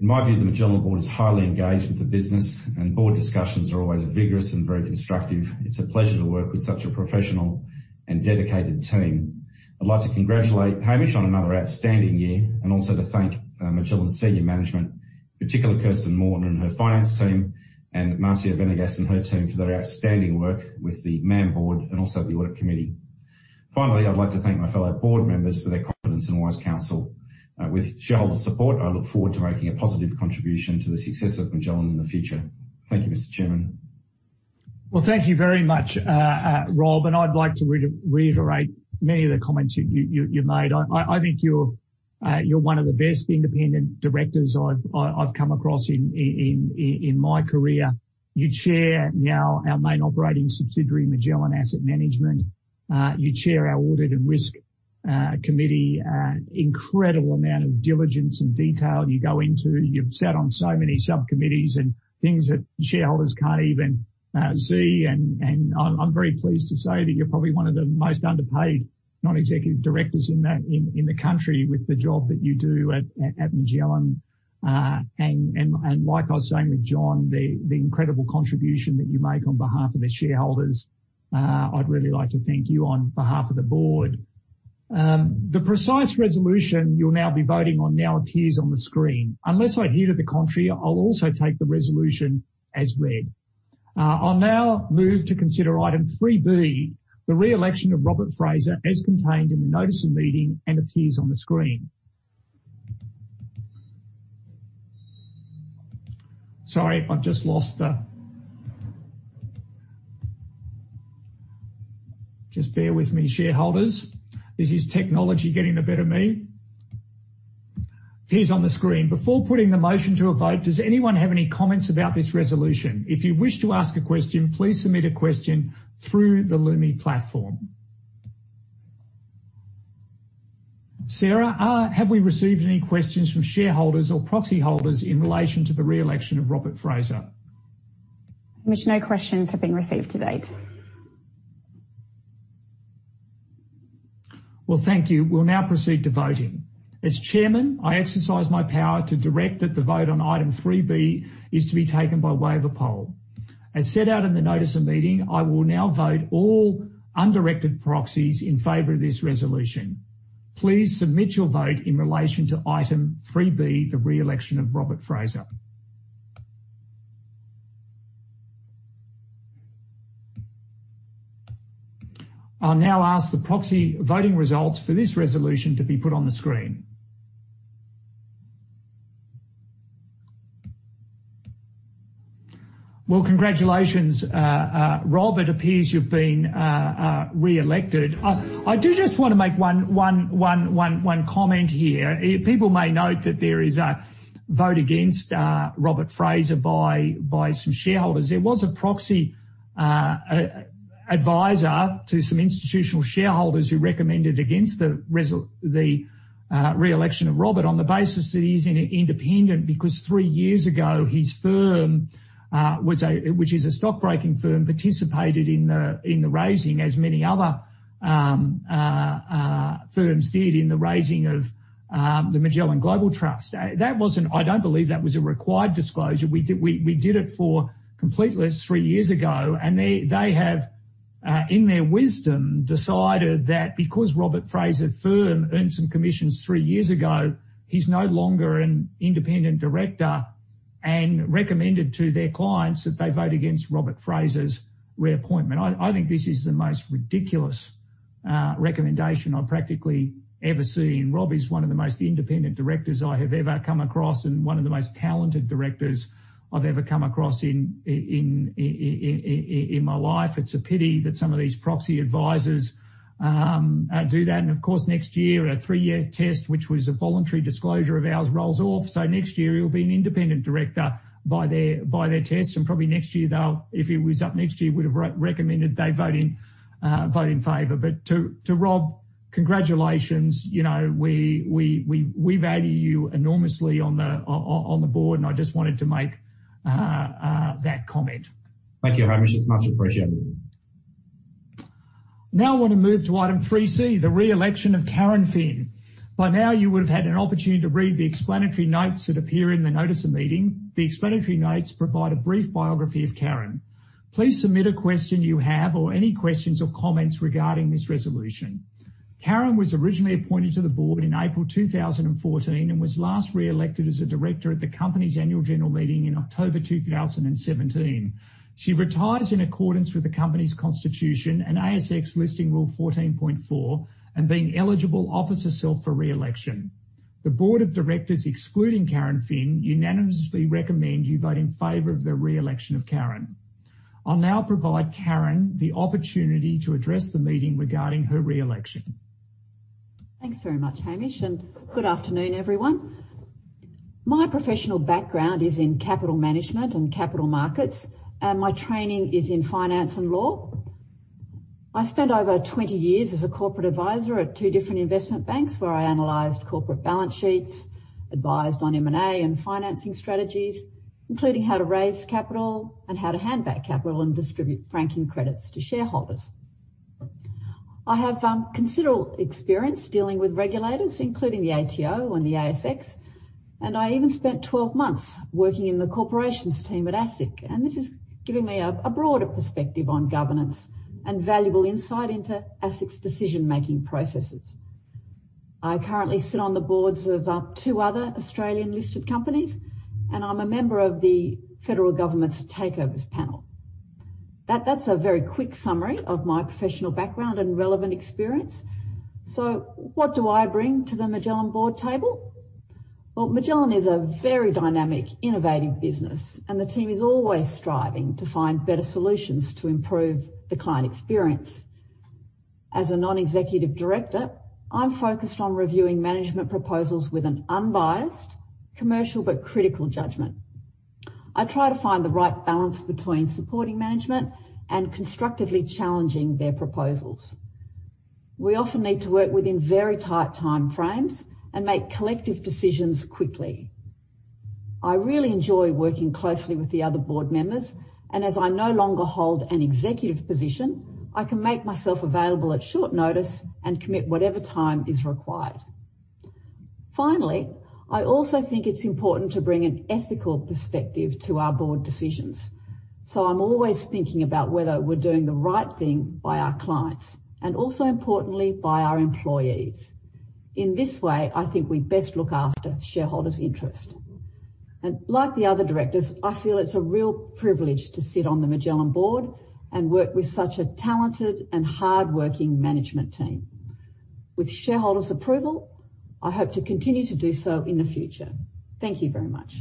In my view, the Magellan board is highly engaged with the business, and board discussions are always vigorous and very constructive. It's a pleasure to work with such a professional and dedicated team. I'd like to congratulate Hamish on another outstanding year and also to thank Magellan senior management, particularly Kirsten Morton and her finance team, and Marcia Venegas and her team for their outstanding work with the MAM board and also the audit committee. Finally, I'd like to thank my fellow board members for their confidence and wise counsel. With shareholder support, I look forward to making a positive contribution to the success of Magellan in the future. Thank you, Mr. Chairman. Thank you very much, Rob, I'd like to reiterate many of the comments you made. I think you're one of the best independent directors I've come across in my career. You chair now our main operating subsidiary, Magellan Asset Management. You chair our Audit and Risk Committee. Incredible amount of diligence and detail you go into. You've sat on so many subcommittees and things that shareholders can't even see, and I'm very pleased to say that you're probably one of the most underpaid non-executive directors in the country with the job that you do at Magellan. Like I was saying with John, the incredible contribution that you make on behalf of the shareholders, I'd really like to thank you on behalf of the board. The precise resolution you'll now be voting on now appears on the screen. Unless I hear to the contrary, I'll also take the resolution as read. I'll now move to consider item 3B, the re-election of Robert Fraser, as contained in the notice of meeting and appears on the screen. Just bear with me, shareholders. This is technology getting the better of me. Appears on the screen. Before putting the motion to a vote, does anyone have any comments about this resolution? If you wish to ask a question, please submit a question through the Lumi platform. Sarah, have we received any questions from shareholders or proxy holders in relation to the re-election of Robert Fraser? Hamish, no questions have been received to date. Well, thank you. We'll now proceed to voting. As chairman, I exercise my power to direct that the vote on item 3B is to be taken by way of a poll. As set out in the notice of meeting, I will now vote all undirected proxies in favor of this resolution. Please submit your vote in relation to item 3B, the re-election of Robert Fraser. I'll now ask the proxy voting results for this resolution to be put on the screen. Well, congratulations, Rob. It appears you've been reelected. I do just want to make one comment here. People may note that there is a vote against Robert Fraser by some shareholders. There was a proxy advisor to some institutional shareholders who recommended against the re-election of Robert on the basis that he's independent because three years ago, his firm, which is a stockbroking firm, participated in the raising, as many other firms did, in the raising of the Magellan Global Trust. I don't believe that was a required disclosure. We did it for completely three years ago. They have, in their wisdom, decided that because Robert Fraser's firm earned some commissions three years ago, he's no longer an independent director and recommended to their clients that they vote against Robert Fraser's reappointment. I think this is the most ridiculous recommendation I've practically ever seen. Rob is one of the most independent directors I have ever come across and one of the most talented directors I've ever come across in my life. It's a pity that some of these proxy advisors do that. Of course, next year, a three-year test, which was a voluntary disclosure of ours, rolls off. Next year he'll be an independent director by their test, and probably next year they'll, if it was up next year, would have recommended they vote in favor. To Rob, congratulations. We value you enormously on the board, and I just wanted to make that comment. Thank you, Hamish. It's much appreciated. Now I want to move to item 3C, the re-election of Karen Phin. By now you would have had an opportunity to read the explanatory notes that appear in the notice of meeting. The explanatory notes provide a brief biography of Karen. Please submit a question you have or any questions or comments regarding this resolution. Karen was originally appointed to the board in April 2014 and was last reelected as a director at the company's annual general meeting in October 2017. She retires in accordance with the company's constitution and ASX Listing Rule 14.4 and being eligible, offers herself for re-election. The board of directors, excluding Karen Phin, unanimously recommend you vote in favor of the re-election of Karen. I'll now provide Karen the opportunity to address the meeting regarding her re-election. Thanks very much, Hamish. Good afternoon, everyone. My professional background is in capital management and capital markets. My training is in finance and law. I spent over 20 years as a corporate advisor at two different investment banks where I analyzed corporate balance sheets, advised on M&A and financing strategies, including how to raise capital and how to hand back capital and distribute franking credits to shareholders. I have considerable experience dealing with regulators, including the ATO and the ASX. I even spent 12 months working in the corporations team at ASIC, and this has given me a broader perspective on governance and valuable insight into ASIC's decision-making processes. I currently sit on the boards of two other Australian-listed companies. I'm a member of the federal government's Takeovers Panel. That's a very quick summary of my professional background and relevant experience. What do I bring to the Magellan board table? Well, Magellan is a very dynamic, innovative business, and the team is always striving to find better solutions to improve the client experience. As a non-executive director, I'm focused on reviewing management proposals with an unbiased, commercial but critical judgment. I try to find the right balance between supporting management and constructively challenging their proposals. We often need to work within very tight time frames and make collective decisions quickly. I really enjoy working closely with the other board members, and as I no longer hold an executive position, I can make myself available at short notice and commit whatever time is required. Finally, I also think it's important to bring an ethical perspective to our board decisions. I'm always thinking about whether we're doing the right thing by our clients and also importantly, by our employees. In this way, I think we best look after shareholders' interest. Like the other directors, I feel it's a real privilege to sit on the Magellan board and work with such a talented and hardworking management team. With shareholders' approval, I hope to continue to do so in the future. Thank you very much.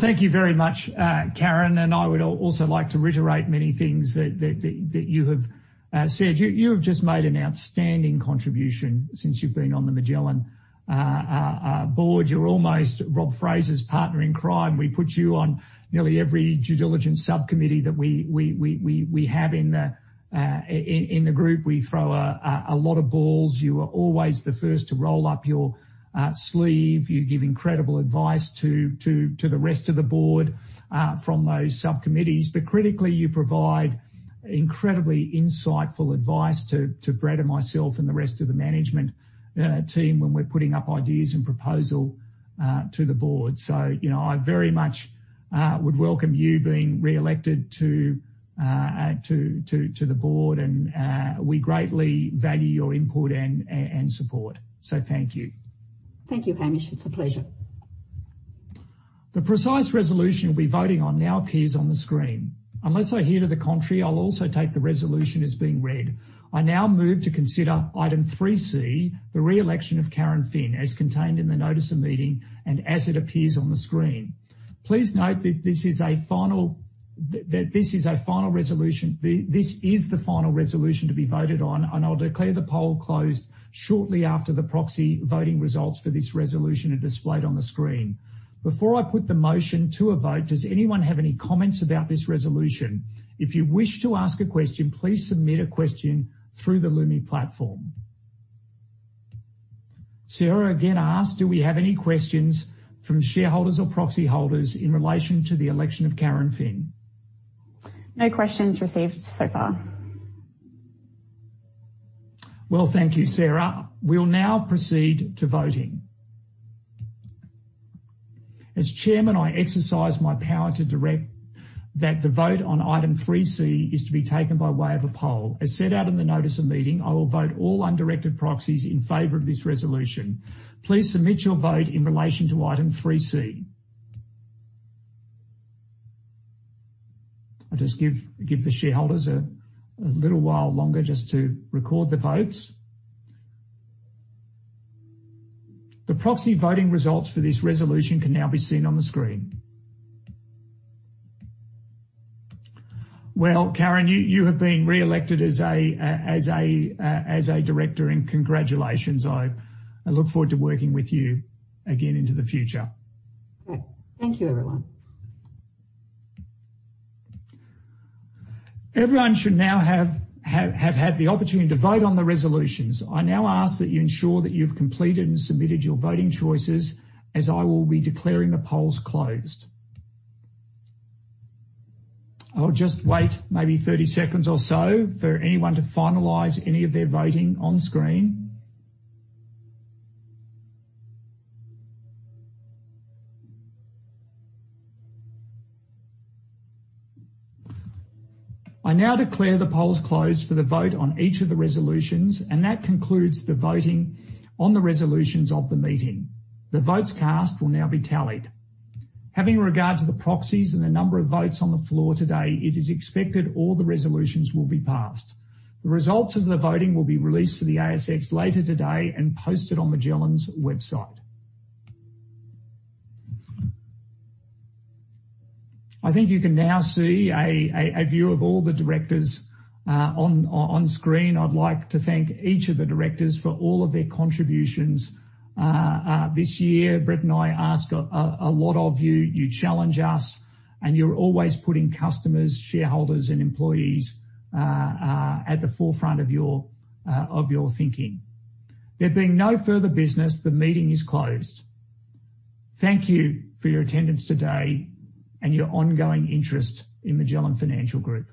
Thank you very much, Karen, and I would also like to reiterate many things that you have said. You have just made an outstanding contribution since you've been on the Magellan board. You're almost Rob Fraser's partner in crime. We put you on nearly every due diligence subcommittee that we have in the group. We throw a lot of balls. You are always the first to roll up your sleeve. You give incredible advice to the rest of the board from those subcommittees. Critically, you provide incredibly insightful advice to Brett and myself and the rest of the management team when we're putting up ideas and proposal to the board. I very much would welcome you being reelected to the board, and we greatly value your input and support. Thank you. Thank you, Hamish. It's a pleasure. The precise resolution you'll be voting on now appears on the screen. Unless I hear to the contrary, I'll also take the resolution as being read. I now move to consider item 3C, the re-election of Karen Phin, as contained in the notice of meeting and as it appears on the screen. Please note that this is a final resolution. This is the final resolution to be voted on, I'll declare the poll closed shortly after the proxy voting results for this resolution are displayed on the screen. Before I put the motion to a vote, does anyone have any comments about this resolution? If you wish to ask a question, please submit a question through the Lumi platform. Sarah, again, ask, do we have any questions from shareholders or proxy holders in relation to the election of Karen Phin? No questions received so far. Well, thank you, Sarah. We will now proceed to voting. As chairman, I exercise my power to direct that the vote on item 3C is to be taken by way of a poll. As set out in the notice of meeting, I will vote all undirected proxies in favor of this resolution. Please submit your vote in relation to item 3C. I will just give the shareholders a little while longer just to record the votes. The proxy voting results for this resolution can now be seen on the screen. Well, Karen, you have been reelected as a director, and congratulations. I look forward to working with you again into the future. Great. Thank you, everyone. Everyone should now have had the opportunity to vote on the resolutions. I now ask that you ensure that you've completed and submitted your voting choices as I will be declaring the polls closed. I'll just wait maybe 30 seconds or so for anyone to finalize any of their voting on screen. I now declare the polls closed for the vote on each of the resolutions, and that concludes the voting on the resolutions of the meeting. The votes cast will now be tallied. Having regard to the proxies and the number of votes on the floor today, it is expected all the resolutions will be passed. The results of the voting will be released to the ASX later today and posted on Magellan's website. I think you can now see a view of all the directors on screen. I'd like to thank each of the directors for all of their contributions this year. Brett and I ask a lot of you. You challenge us, and you're always putting customers, shareholders, and employees at the forefront of your thinking. There being no further business, the meeting is closed. Thank you for your attendance today and your ongoing interest in Magellan Financial Group.